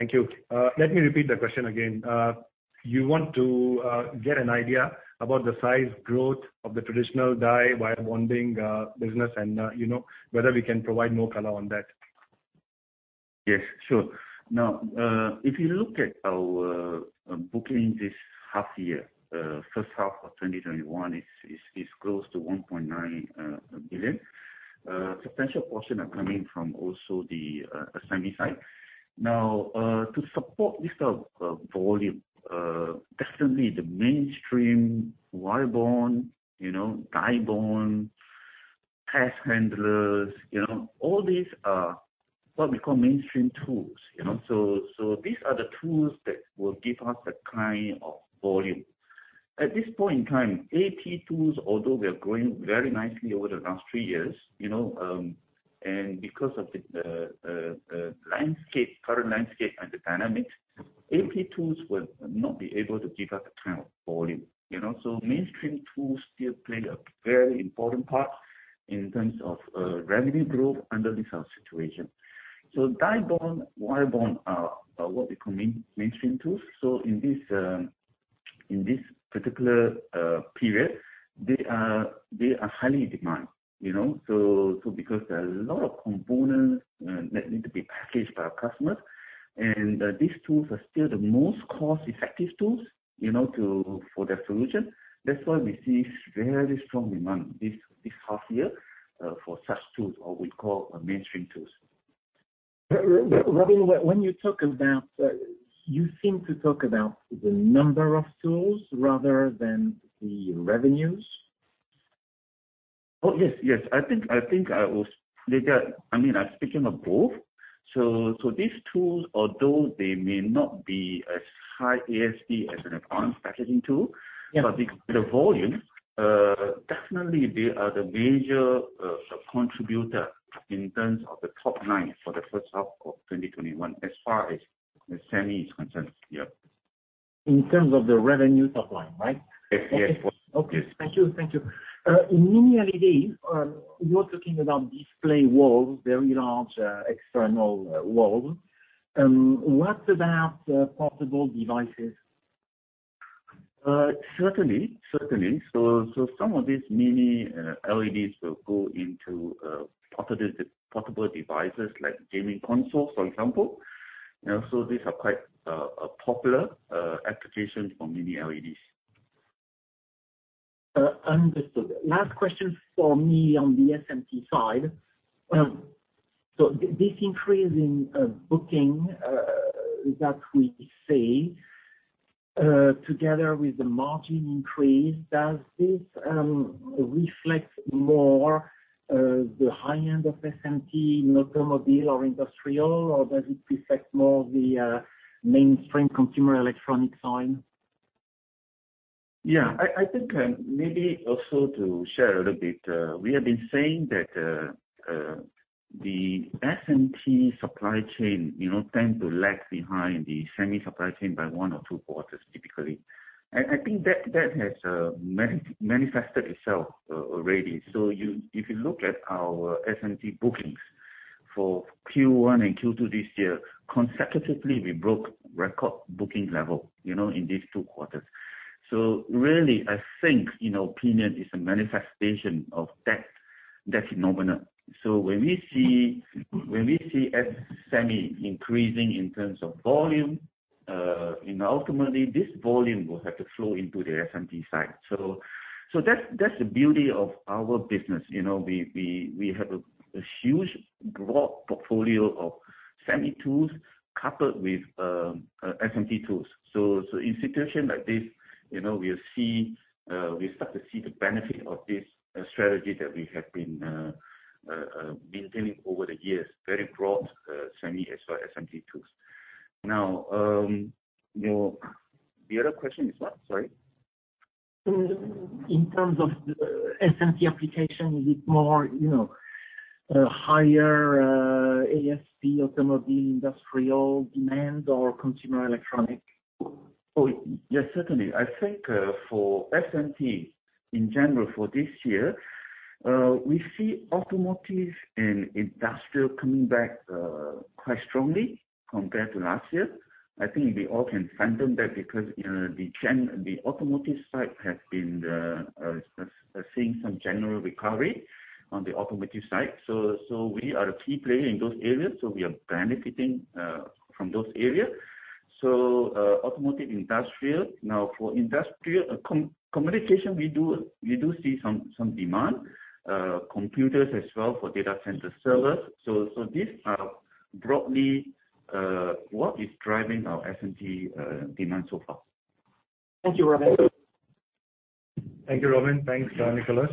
Thank you. Let me repeat the question again. You want to get an idea about the size, growth of the traditional Die/Wire Bonding business, and whether we can provide more color on that? Yes, sure. If you look at our bookings this half year, first half of 2021, it's close to 1.9 billion. Substantial portion is coming from also the semi side. To support this volume definitely the mainstream wire bond, die bond, test handlers, all these are what we call mainstream tools. These are the tools that will give us that kind of volume. At this point in time, AT tools, although we are growing very nicely over the last three years, and because of the current landscape and the dynamics, AT tools will not be able to give us the kind of volume. Mainstream tools still play a very important part in terms of revenue growth under this situation. Die bond, wire bond are what we call mainstream tools. In this particular period, they are highly in demand, because there are a lot of components that need to be packaged by our customers. These tools are still the most cost-effective tools for their solution. That's why we see very strong demand this half year for such tools, or we call mainstream tools. Robin, you seem to talk about the number of tools rather than the revenues. Oh, yes. I think I've spoken of both. These tools, although they may not be as high ASP as an Advanced Packaging tool- Yeah. Because of the volume, definitely they are the major contributor in terms of the top line for the first half of 2021, as far as the semi is concerned. Yeah. In terms of the revenue top line, right? Yes. Okay. Thank you. In Mini LED, you're talking about display walls, very large external walls. What about portable devices? Certainly. Some of these Mini LEDs will go into portable devices like gaming consoles, for example. These are quite a popular application for Mini LEDs. Understood. Last question from me on the SMT side. This increase in booking that we see together with the margin increase, does this reflect more the high-end of SMT in automobile or industrial, or does it reflect more of the mainstream consumer electronic side? I think maybe also to share a little bit, we have been saying that the SMT supply chain tends to lag behind the semi supply chain by one or two quarters, typically. I think that has manifested itself already. If you look at our SMT bookings for Q1 and Q2 this year, consecutively, we broke record booking level in these two quarters. Really, I think, in our opinion, it's a manifestation of that phenomenon. When we see semi increasing in terms of volume, ultimately this volume will have to flow into the SMT side. That's the beauty of our business. We have a huge broad portfolio of semi tools coupled with SMT tools. In situation like this, we'll start to see the benefit of this strategy that we have been maintaining over the years, very broad semi as well SMT tools. Now, the other question is what? Sorry. In terms of SMT application, is it more higher ASP automobile industrial demand or consumer electronic? Yes, certainly. I think for SMT in general for this year, we see automotive and industrial coming back quite strongly compared to last year. I think we all can fathom that because the automotive side has been seeing some general recovery on the automotive side. We are a key player in those areas, so we are benefiting from those areas. Automotive industrial. For industrial communication, we do see some demand. Computers as well for data center servers. These are broadly what is driving our SMT demand so far. Thank you, Robin. Thank you, Robin. Thanks, Nicholas.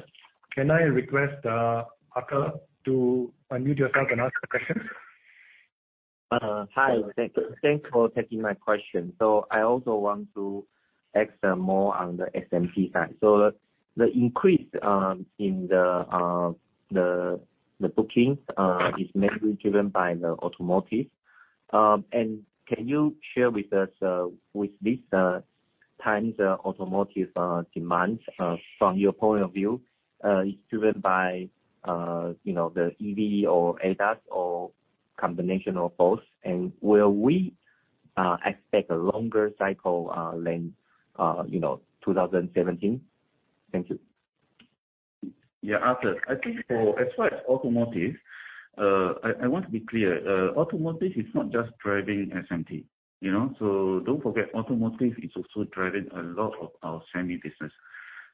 Can I request Arthur to unmute yourself and ask a question? Hi. Thank you. Thanks for taking my question. I also want to ask more on the SMT side. The increase in the bookings is mainly driven by the automotive. Can you share with us with this time the automotive demands from your point of view is driven by the EV or ADAS or combination of both? Will we expect a longer cycle length, 2017? Thank you. Yeah, Arthur. I think as far as automotive, I want to be clear. Automotive is not just driving SMT. Don't forget, automotive is also driving a lot of our semi business.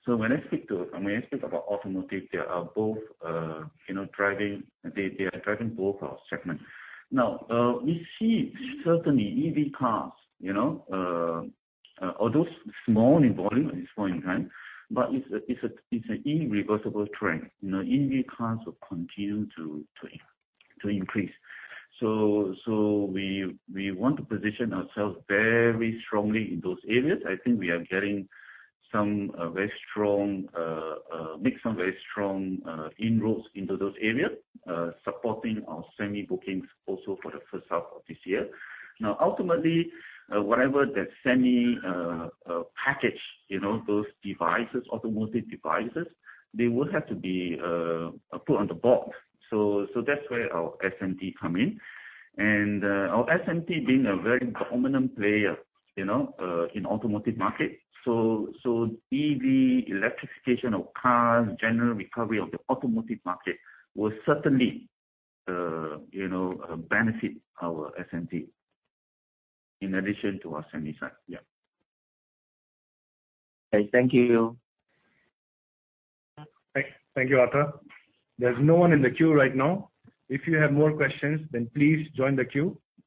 When I speak about automotive, they are driving both our segments. Now, we see certainly EV cars although small in volume at this point in time, but it's an irreversible trend. EV cars will continue to increase. We want to position ourselves very strongly in those areas. I think we are getting some very strong inroads into those areas, supporting our semi bookings also for the first half of this year. Now, ultimately, whatever the semi package those automotive devices, they will have to be put on the board. That's where our SMT come in. Our SMT being a very dominant player in automotive market. EV electrification of cars, general recovery of the automotive market will certainly benefit our SMT in addition to our semi side. Okay. Thank you. Thank you, Arthur. There is no one in the queue right now. If you have more questions, then please join the queue.